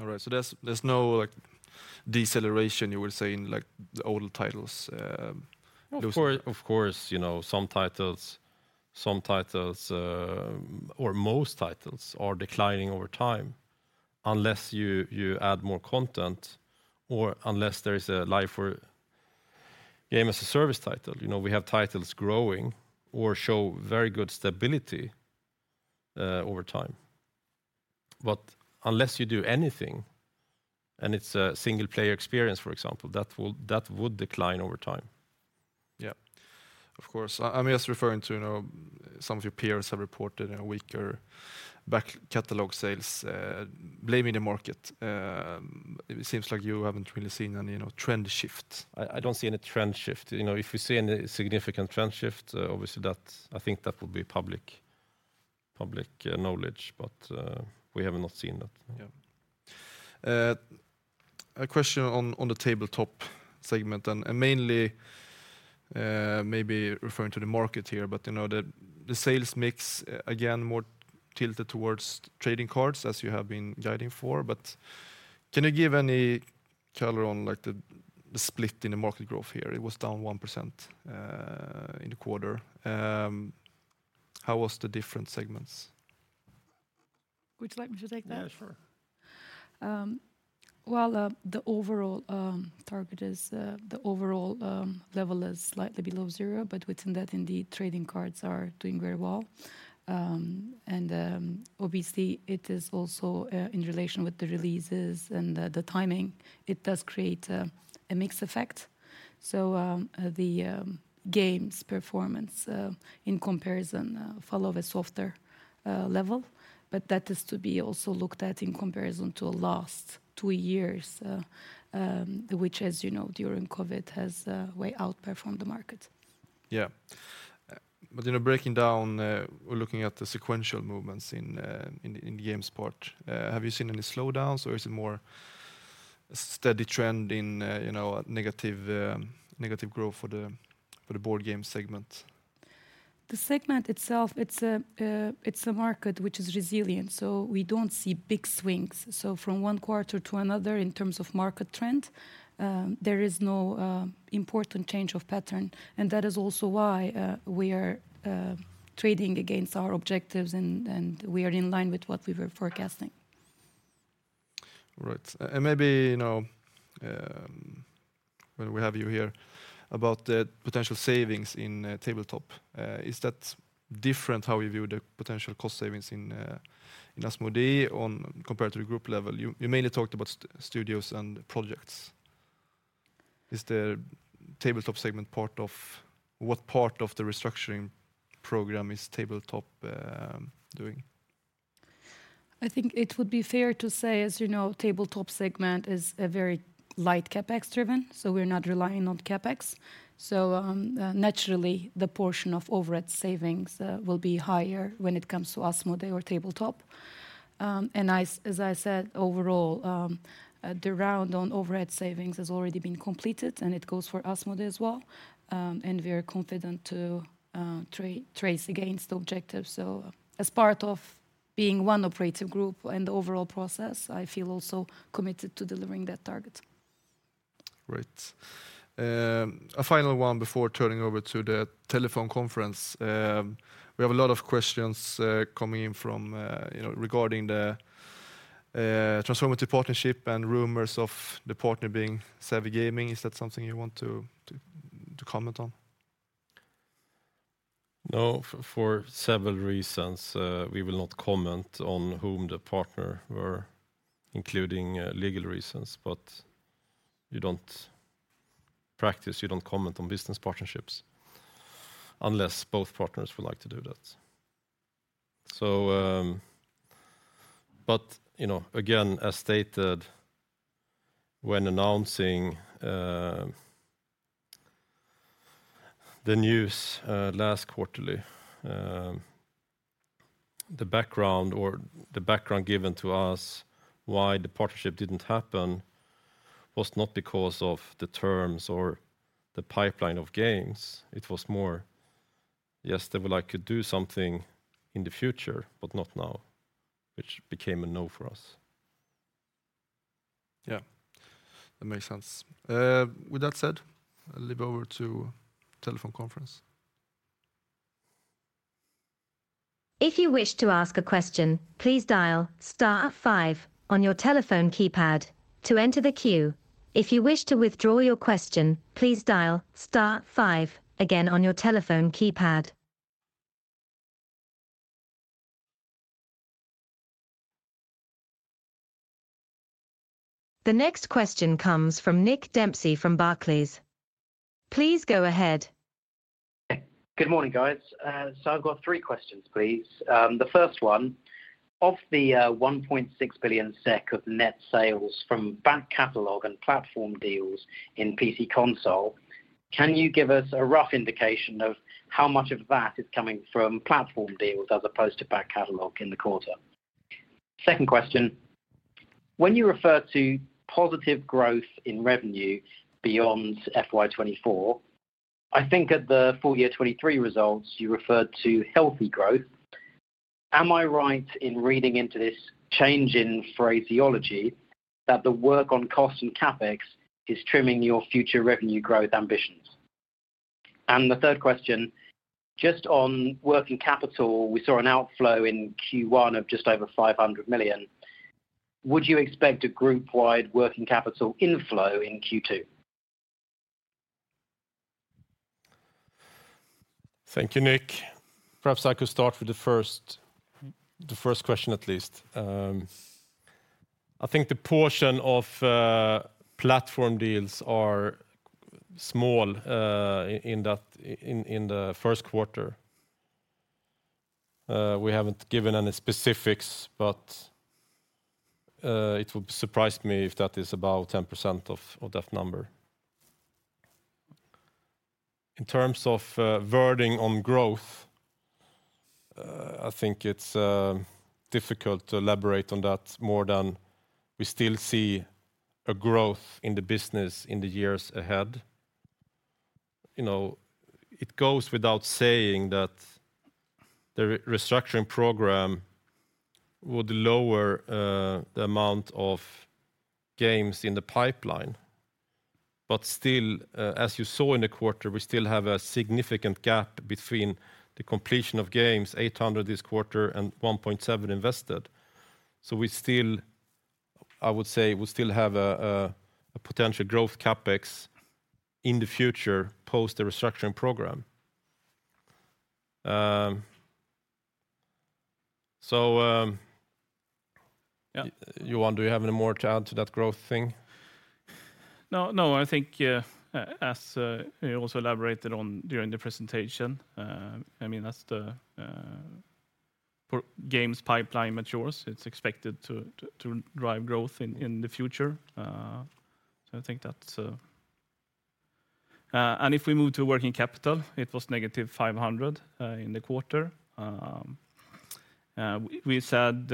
right, there's, there's no, like, deceleration, you were saying, like, the older titles. Of course, of course, you know, some titles, some titles, or most titles are declining over time. Unless you, you add more content or unless there is a live or game as a service title. You know, we have titles growing or show very good stability over time. But unless you do anything, and it's a single-player experience, for example, that would decline over time. Yeah. Of course. I, I'm just referring to, you know, some of your peers have reported a weaker back catalog sales, blaming the market. It seems like you haven't really seen any, you know, trend shift. I, I don't see any trend shift. You know, if we see any significant trend shift, obviously I think that would be public, public knowledge, but we have not seen that. Yeah. A question on, on the tabletop segment, and, and mainly, maybe referring to the market here, but, you know, the, the sales mix, again, more tilted towards trading cards as you have been guiding for, but can you give any color on, like, the, the split in the market growth here? It was down 1% in the quarter. How was the different segments? Would you like me to take that? Yeah, sure. Well, the overall target is the overall level is slightly below zero, but within that, indeed, trading cards are doing very well. Obviously, it is also in relation with the releases and the timing, it does create a mixed effect. The games performance in comparison follow a softer level, but that is to be also looked at in comparison to last two years, which, as you know, during COVID, has way outperformed the market. Yeah, you know, breaking down, or looking at the sequential movements in, in, in the games part, have you seen any slowdowns, or is it more a steady trend in, you know, negative, negative growth for the, for the board game segment? The segment itself, it's a, it's a market which is resilient, so we don't see big swings. From one quarter to another, in terms of market trend, there is no important change of pattern, and that is also why we are trading against our objectives and, and we are in line with what we were forecasting. Right. Maybe, you know, well, we have you here, about the potential savings in tabletop. Is that different how you view the potential cost savings in Asmodee on compared to the group level? You, you mainly talked about studios and projects. Is the tabletop segment part of... What part of the restructuring program is tabletop doing? I think it would be fair to say, as you know, tabletop segment is a very light CapEx-driven, so we're not relying on CapEx. Naturally, the portion of overhead savings will be higher when it comes to Asmodee or tabletop. As I said, overall, the round on overhead savings has already been completed, and it goes for Asmodee as well, and we are confident to trace against the objective. As part of being one operative group and the overall process, I feel also committed to delivering that target. Great. A final one before turning over to the telephone conference. We have a lot of questions coming in from, you know, regarding the transformative partnership and rumors of the partner being Savvy Gaming. Is that something you want to, to, to comment on? No, for several reasons, we will not comment on whom the partner were, including legal reasons, but you don't comment on business partnerships unless both partners would like to do that. You know, again, as stated, when announcing the news last quarterly, the background or the background given to us why the partnership didn't happen was not because of the terms or the pipeline of games, it was more, "Yes, they would like to do something in the future, but not now," which became a no for us. Yeah, that makes sense. With that said, I'll leave over to telephone conference. If you wish to ask a question, please dial star five on your telephone keypad to enter the queue. If you wish to withdraw your question, please dial star five again on your telephone keypad. The next question comes from Nick Dempsey from Barclays. Please go ahead. Good morning, guys. I've got three questions, please. The first one: of the 1.6 billion SEK of net sales from back catalog and platform deals in PC console, can you give us a rough indication of how much of that is coming from platform deals as opposed to back catalog in the quarter? Second question: when you refer to positive growth in revenue beyond FY 2024, I think at the full year 2023 results, you referred to healthy growth. Am I right in reading into this change in phraseology, that the work on cost and CapEx is trimming your future revenue growth ambitions? The third question, just on working capital, we saw an outflow in Q1 of just over 500 million. Would you expect a group-wide working capital inflow in Q2? Thank you, Nick. Perhaps I could start with the first, the first question, at least. I think the portion of platform deals are small in that, in the first quarter. We haven't given any specifics, but it would surprise me if that is about 10% of that number. In terms of wording on growth, I think it's difficult to elaborate on that more than we still see a growth in the business in the years ahead. You know, it goes without saying that the restructuring program would lower the amount of games in the pipeline. Still, as you saw in the quarter, we still have a significant gap between the completion of games, 800 this quarter and 1.7 invested. We still, I would say, we still have a potential growth CapEx in the future, post the restructuring program. Yeah, Johan, do you have any more to add to that growth thing? No, no, I think as we also elaborated on during the presentation, I mean, as the for games pipeline matures, it's expected to, to, to drive growth in, in the future. I think that's... If we move to working capital, it was negative 500 in the quarter. We, we said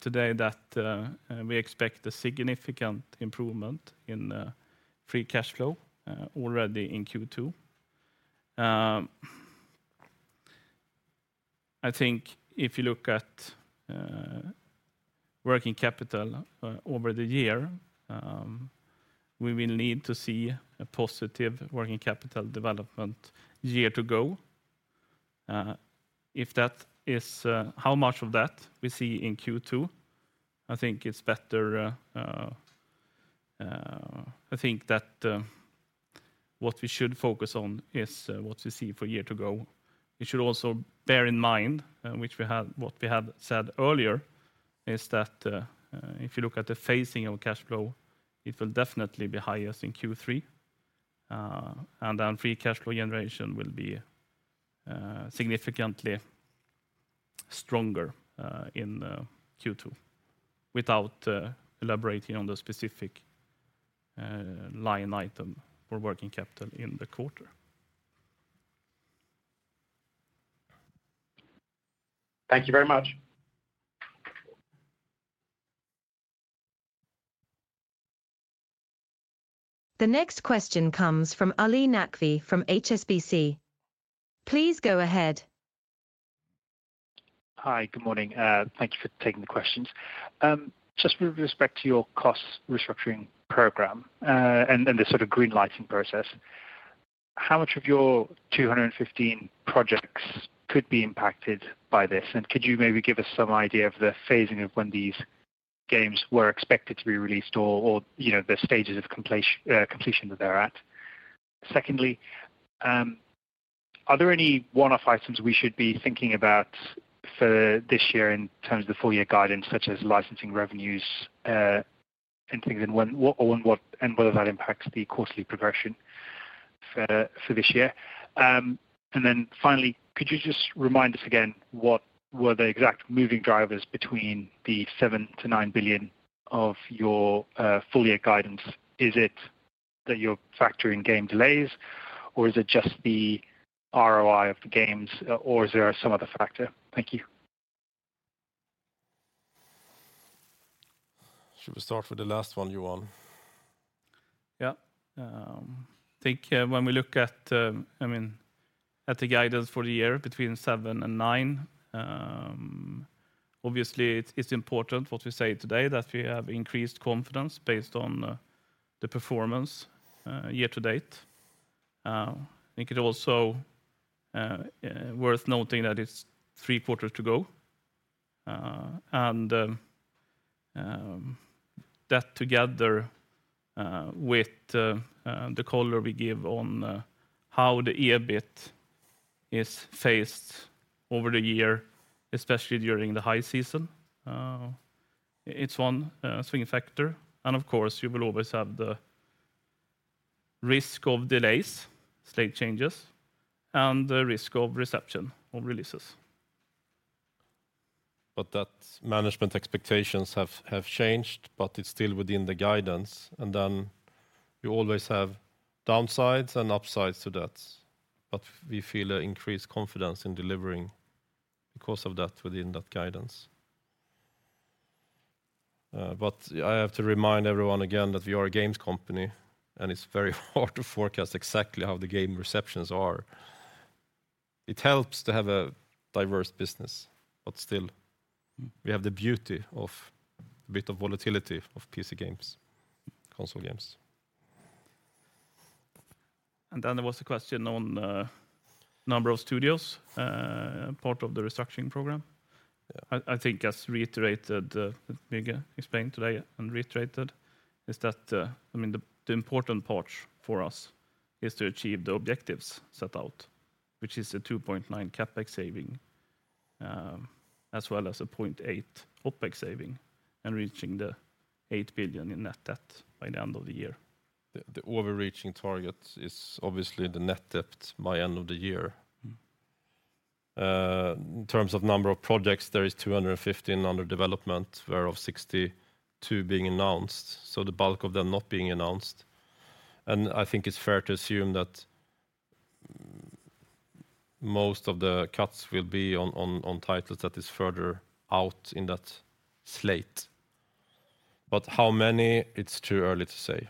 today that we expect a significant improvement in free cash flow already in Q2. I think if you look at working capital over the year, we will need to see a positive working capital development year to go. If that is-- how much of that we see in Q2, I think it's better, I think that what we should focus on is what we see for year to go. We should also bear in mind, which we had, what we had said earlier, is that, if you look at the phasing of cash flow, it will definitely be highest in Q3, and then free cash flow generation will be significantly stronger in Q2, without elaborating on the specific line item for working capital in the quarter. Thank you very much. The next question comes from Ali Naqvi, from HSBC. Please go ahead. Hi, good morning. Thank you for taking the questions. Just with respect to your cost restructuring program, and, and the sort of greenlight process, how much of your 215 projects could be impacted by this? Could you maybe give us some idea of the phasing of when these games were expected to be released or, or, you know, the stages of completion that they're at? Secondly, are there any one-off items we should be thinking about for this year in terms of the full year guidance, such as licensing revenues, and things, and when, what and whether that impacts the quarterly progression for, for this year? Finally, could you just remind us again, what were the exact moving drivers between the 7 billion-9 billion of your full year guidance? Is it that you're factoring game delays, or is it just the ROI of the games, or is there some other factor? Thank you. Should we start with the last one, Johan? Yeah. I think, when we look at, I mean, at the guidance for the year, between seven and eight, obviously, it's, it's important what we say today, that we have increased confidence based on the performance year to date. I think it also worth noting that it's quarters to go. That together with the color we give on how the EBIT is phased over the year, especially during the high season. It's one swinging factor, and of course, you will always have the risk of delays, state changes, and the risk of reception of releases. That management expectations have, have changed, but it's still within the guidance, and then you always have downsides and upsides to that. We feel an increased confidence in delivering because of that within that guidance. I have to remind everyone again that we are a games company, and it's very hard to forecast exactly how the game receptions are. It helps to have a diverse business, but still, we have the beauty of a bit of volatility of PC games, console games. There was a question on number of studios part of the restructuring program. I, I think as reiterated, we explained today and reiterated, is that, I mean, the, the important part for us is to achieve the objectives set out, which is a 2.9 CapEx saving, as well as a 0.8 OpEx saving, and reaching the 8 billion in net debt by the end of the year. The overreaching target is obviously the net debt by end of the year. Mm-hmm. In terms of number of projects, there is 215 under development, thereof 62 being announced, so the bulk of them not being announced. I think it's fair to assume that most of the cuts will be on titles that is further out in that slate. How many? It's too early to say.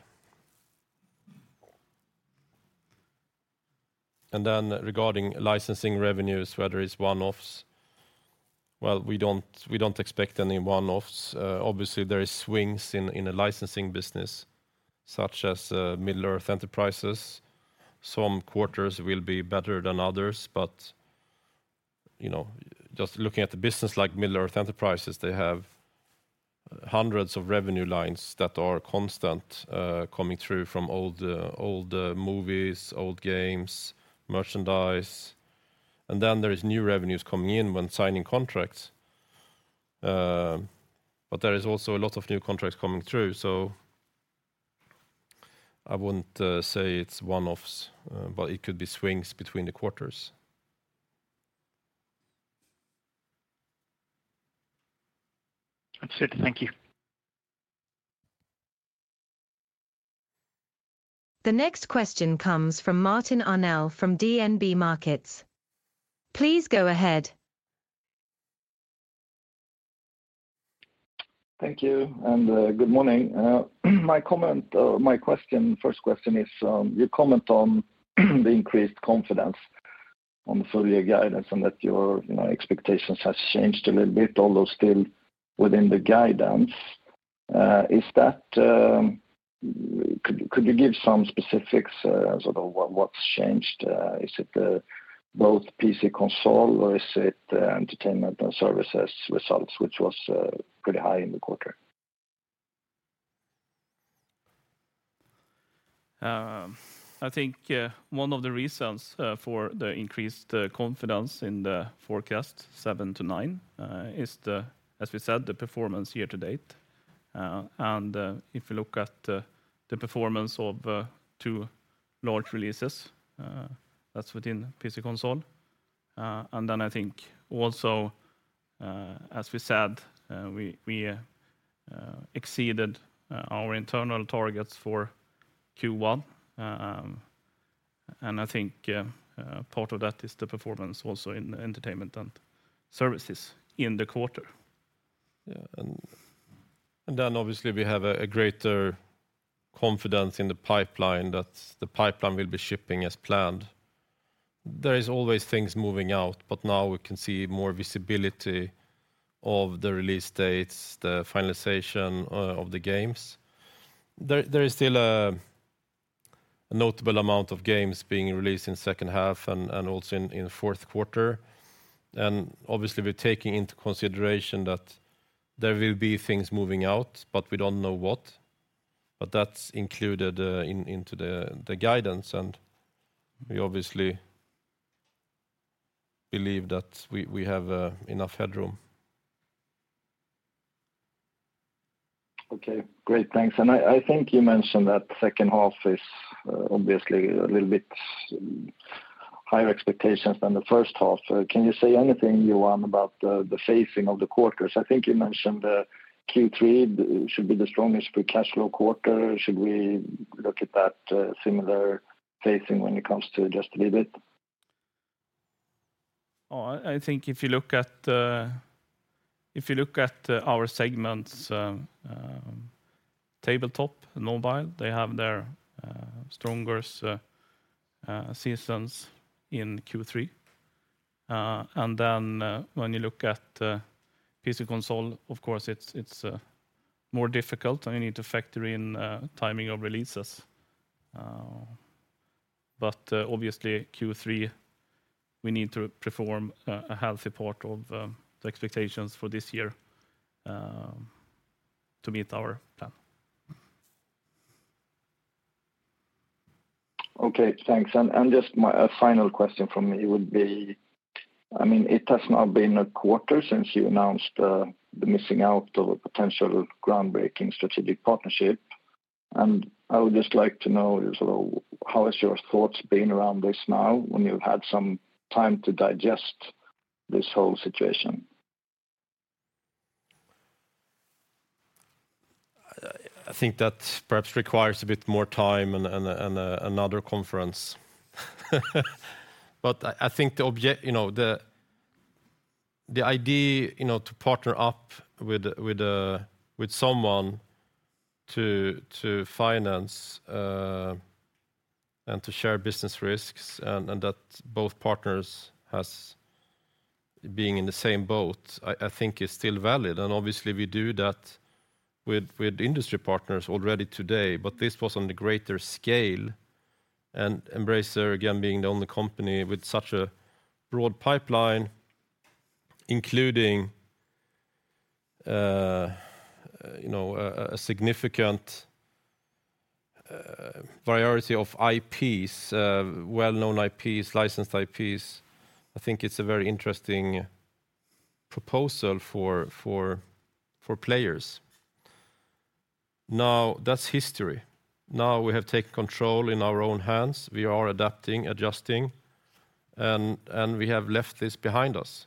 Then regarding licensing revenues, whether it's one-offs, well, we don't, we don't expect any one-offs. Obviously, there is swings in a licensing business, such as Middle-earth Enterprises. Some quarters will be better than others, but, you know, just looking at the business like Middle-earth Enterprises, they have hundreds of revenue lines that are constant, coming through from old movies, old games, merchandise. Then there is new revenues coming in when signing contracts. There is also a lot of new contracts coming through, so I wouldn't say it's one-offs, but it could be swings between the quarters. That's it. Thank you. The next question comes from Martin Arnell from DNB Markets. Please go ahead. Thank you. Good morning. My comment, my question, first question is, you comment on the increased confidence on the full year guidance and that your, you know, expectations has changed a little bit, although still within the guidance. Could you give some specifics, sort of what's changed? Is it both PC console, or is it entertainment and services results, which was pretty high in the quarter? I think one of the reasons for the increased confidence in the forecast 7-9 is the, as we said, the performance year to date. If you look at the performance of twl large releases, that's within PC console. Then I think also, as we said, we exceeded our internal targets for Q1. I think part of that is the performance also in entertainment and services in the quarter. Yeah, then obviously, we have a greater confidence in the pipeline, that the pipeline will be shipping as planned. There is always things moving out, but now we can see more visibility of the release dates, the finalization of the games. There, there is still a notable amount of games being released in second half and also in the fourth quarter. Obviously, we're taking into consideration that there will be things moving out, but we don't know what. That's included in into the guidance, and we obviously believe that we have enough headroom. Okay, great. Thanks. I, I think you mentioned that second half is, obviously a little bit higher expectations than the first half. Can you say anything, Johan, about the, the phasing of the quarters? I think you mentioned, Q3 should be the strongest for cash flow quarter. Should we look at that, similar phasing when it comes to Just Dance a bit? Oh, I, I think if you look at, if you look at, our segments, tabletop, mobile, they have their strongest seasons in Q3. When you look at PC console, of course, it's, it's more difficult, and you need to factor in timing of releases. Obviously Q3, we need to perform a healthy part of the expectations for this year to meet our plan. Okay, thanks. Just my, a final question from me would be, I mean, it has now been a quarter since you announced the missing out of a potential groundbreaking strategic partnership. I would just like to know, sort of, how has your thoughts been around this now when you've had some time to digest this whole situation? I, I think that perhaps requires a bit more time and, and, and another conference. But I, I think you know, the idea, you know, to partner up with, with, with someone to, to finance and to share business risks and, and that both partners has being in the same boat, I, I think is still valid. And obviously, we do that with, with industry partners already today, but this was on a greater scale. And Embracer, again, being the only company with such a broad pipeline, including, you know, a, a significant priority of IPs, well-known IPs, licensed IPs, I think it's a very interesting proposal for, for, for players. Now, that's history. Now, we have taken control in our own hands. We are adapting, adjusting, and, and we have left this behind us.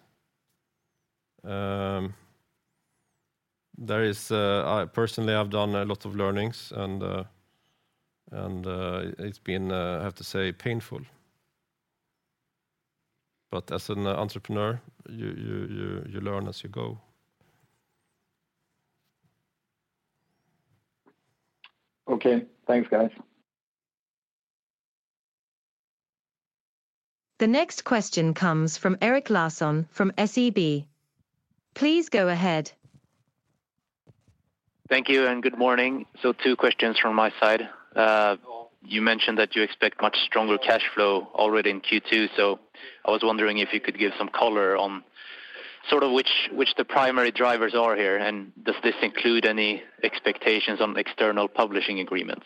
There is. I personally have done a lot of learnings and, and, it's been, I have to say, painful. As an entrepreneur, you, you, you, you learn as you go. Okay. Thanks, guys. The next question comes from Erik Larsson from SEB. Please go ahead. Thank you, and good morning. Two questions from my side. You mentioned that you expect much stronger cash flow already in Q2. I was wondering if you could give some color on sort of which, which the primary drivers are here. Does this include any expectations on external publishing agreements?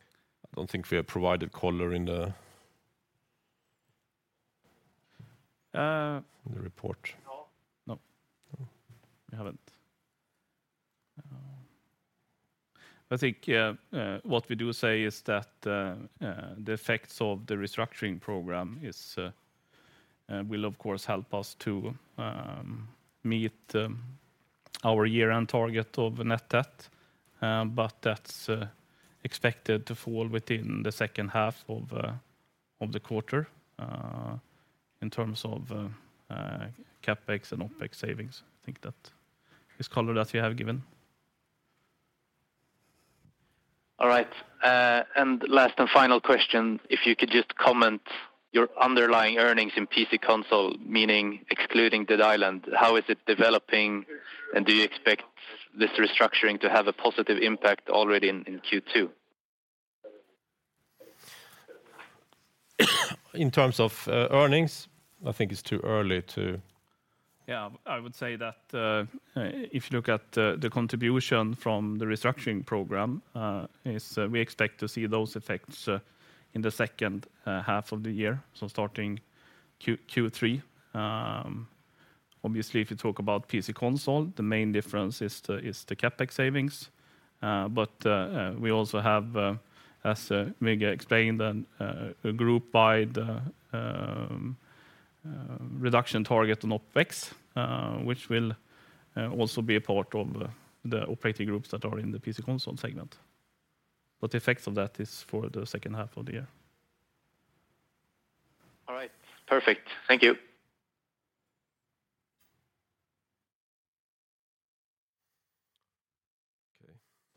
I don't think we have provided color in the- Uh. in the report. No. No. No. We haven't. I think what we do say is that the effects of the restructuring program is, will of course, help us to meet our year-end target of net debt, but that's expected to fall within the second half of the quarter, in terms of CapEx and OpEx savings. I think that is color that we have given. All right. Last and final question, if you could just comment your underlying earnings in PC console, meaning excluding Dead Island, how is it developing, and do you expect this restructuring to have a positive impact already in Q2? In terms of, earnings, I think it's too early to- Yeah. I would say that if you look at the, the contribution from the restructuring program, is we expect to see those effects in the second half of the year, so starting Q3. Obviously, if you talk about PC console, the main difference is the, is the CapEx savings, but we also have as Mig explained, and a group by the reduction target on OpEx, which will also be a part of the operating groups that are in the PC console segment. The effects of that is for the second half of the year. All right. Perfect. Thank you. Okay.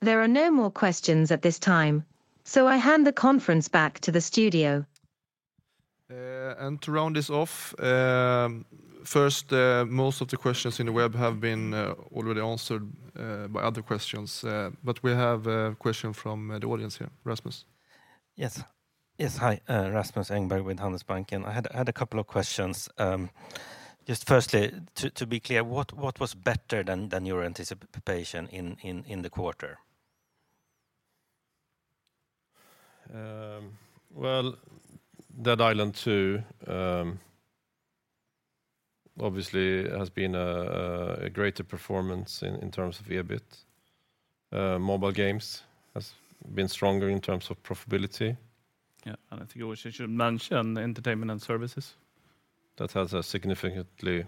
There are no more questions at this time, so I hand the conference back to the studio. To round this off, first, most of the questions in the web have been already answered by other questions, but we have a question from the audience here. Rasmus? Yes. Yes. Hi, Rasmus Engberg with Handelsbanken. I had a couple of questions. Just firstly, to be clear, what was better than your anticipation in the quarter? Well, Dead Island 2, obviously has been a greater performance in, in terms of EBIT. Mobile games has been stronger in terms of profitability. Yeah, I think we should, should mention Entertainment and Services. That has a significantly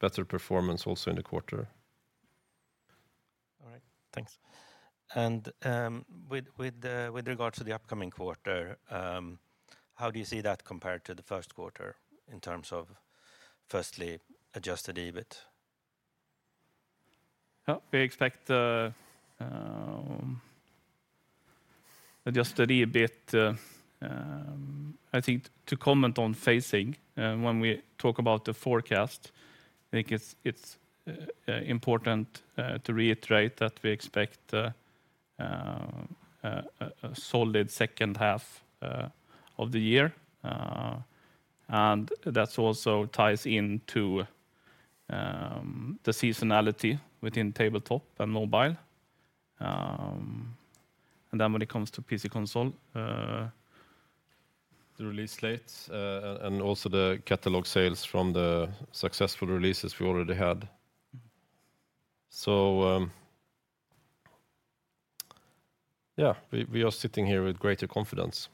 better performance also in the quarter. All right, thanks. With, with regards to the upcoming quarter, how do you see that compared to the first quarter in terms of, firstly, adjusted EBIT? Yeah. We expect Adjusted EBIT. I think to comment on phasing, when we talk about the forecast, I think it's important to reiterate that we expect a solid second half of the year, and that also ties into the seasonality within tabletop and mobile. Then when it comes to PC console. The release slates, and also the catalog sales from the successful releases we already had. Mm-hmm. Yeah, we, we are sitting here with greater confidence.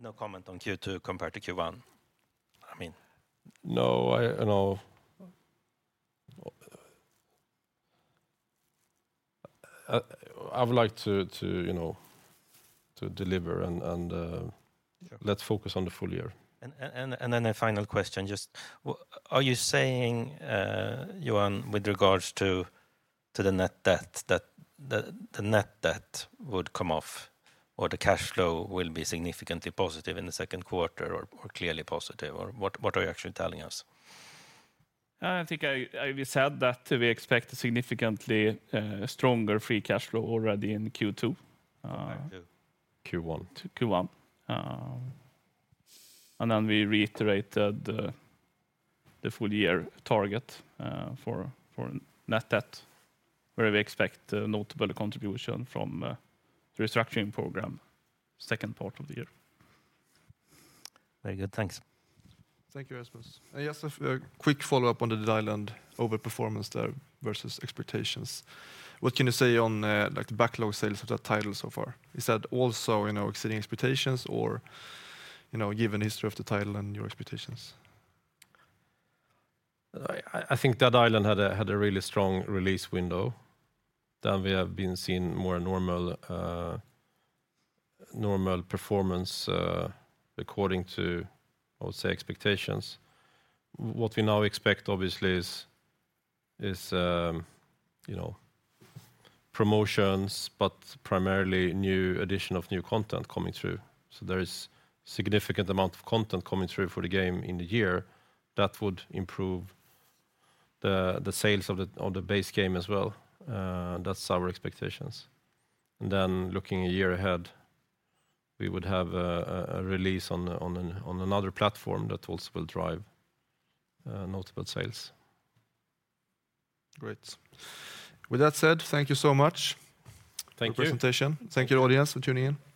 No comment on Q2 compared to Q1? I mean- No, no. I would like to, you know, to deliver and. Sure Let's focus on the full year. A final question: just are you saying, Johan, with regards to the net debt, that the net debt would come off or the cash flow will be significantly positive in the second quarter or clearly positive? What are you actually telling us? I think I, I, we said that we expect a significantly stronger free cash flow already in Q2. Q1. Q1. We reiterated the, the full year target, for, for net debt, where we expect a notable contribution from, the restructuring program second part of the year. Very good. Thanks. Thank you, Espen. I just have a quick follow-up on the Dead Island overperformance there versus expectations. What can you say on like the backlog sales of that title so far? Is that also, you know, exceeding expectations or, you know, given history of the title and your expectations? I, I, I think Dead Island had a, had a really strong release window. We have been seeing more normal, normal performance, according to, I would say, expectations. What we now expect, obviously, is, is, you know, promotions, but primarily new addition of new content coming through. There is significant amount of content coming through for the game in the year that would improve the, the sales of the, of the base game as well. That's our expectations. Then looking a year ahead, we would have a, a, a release on, on another platform that also will drive notable sales. Great. With that said, thank you so much- Thank you. for the presentation. Thank you, audience, for tuning in.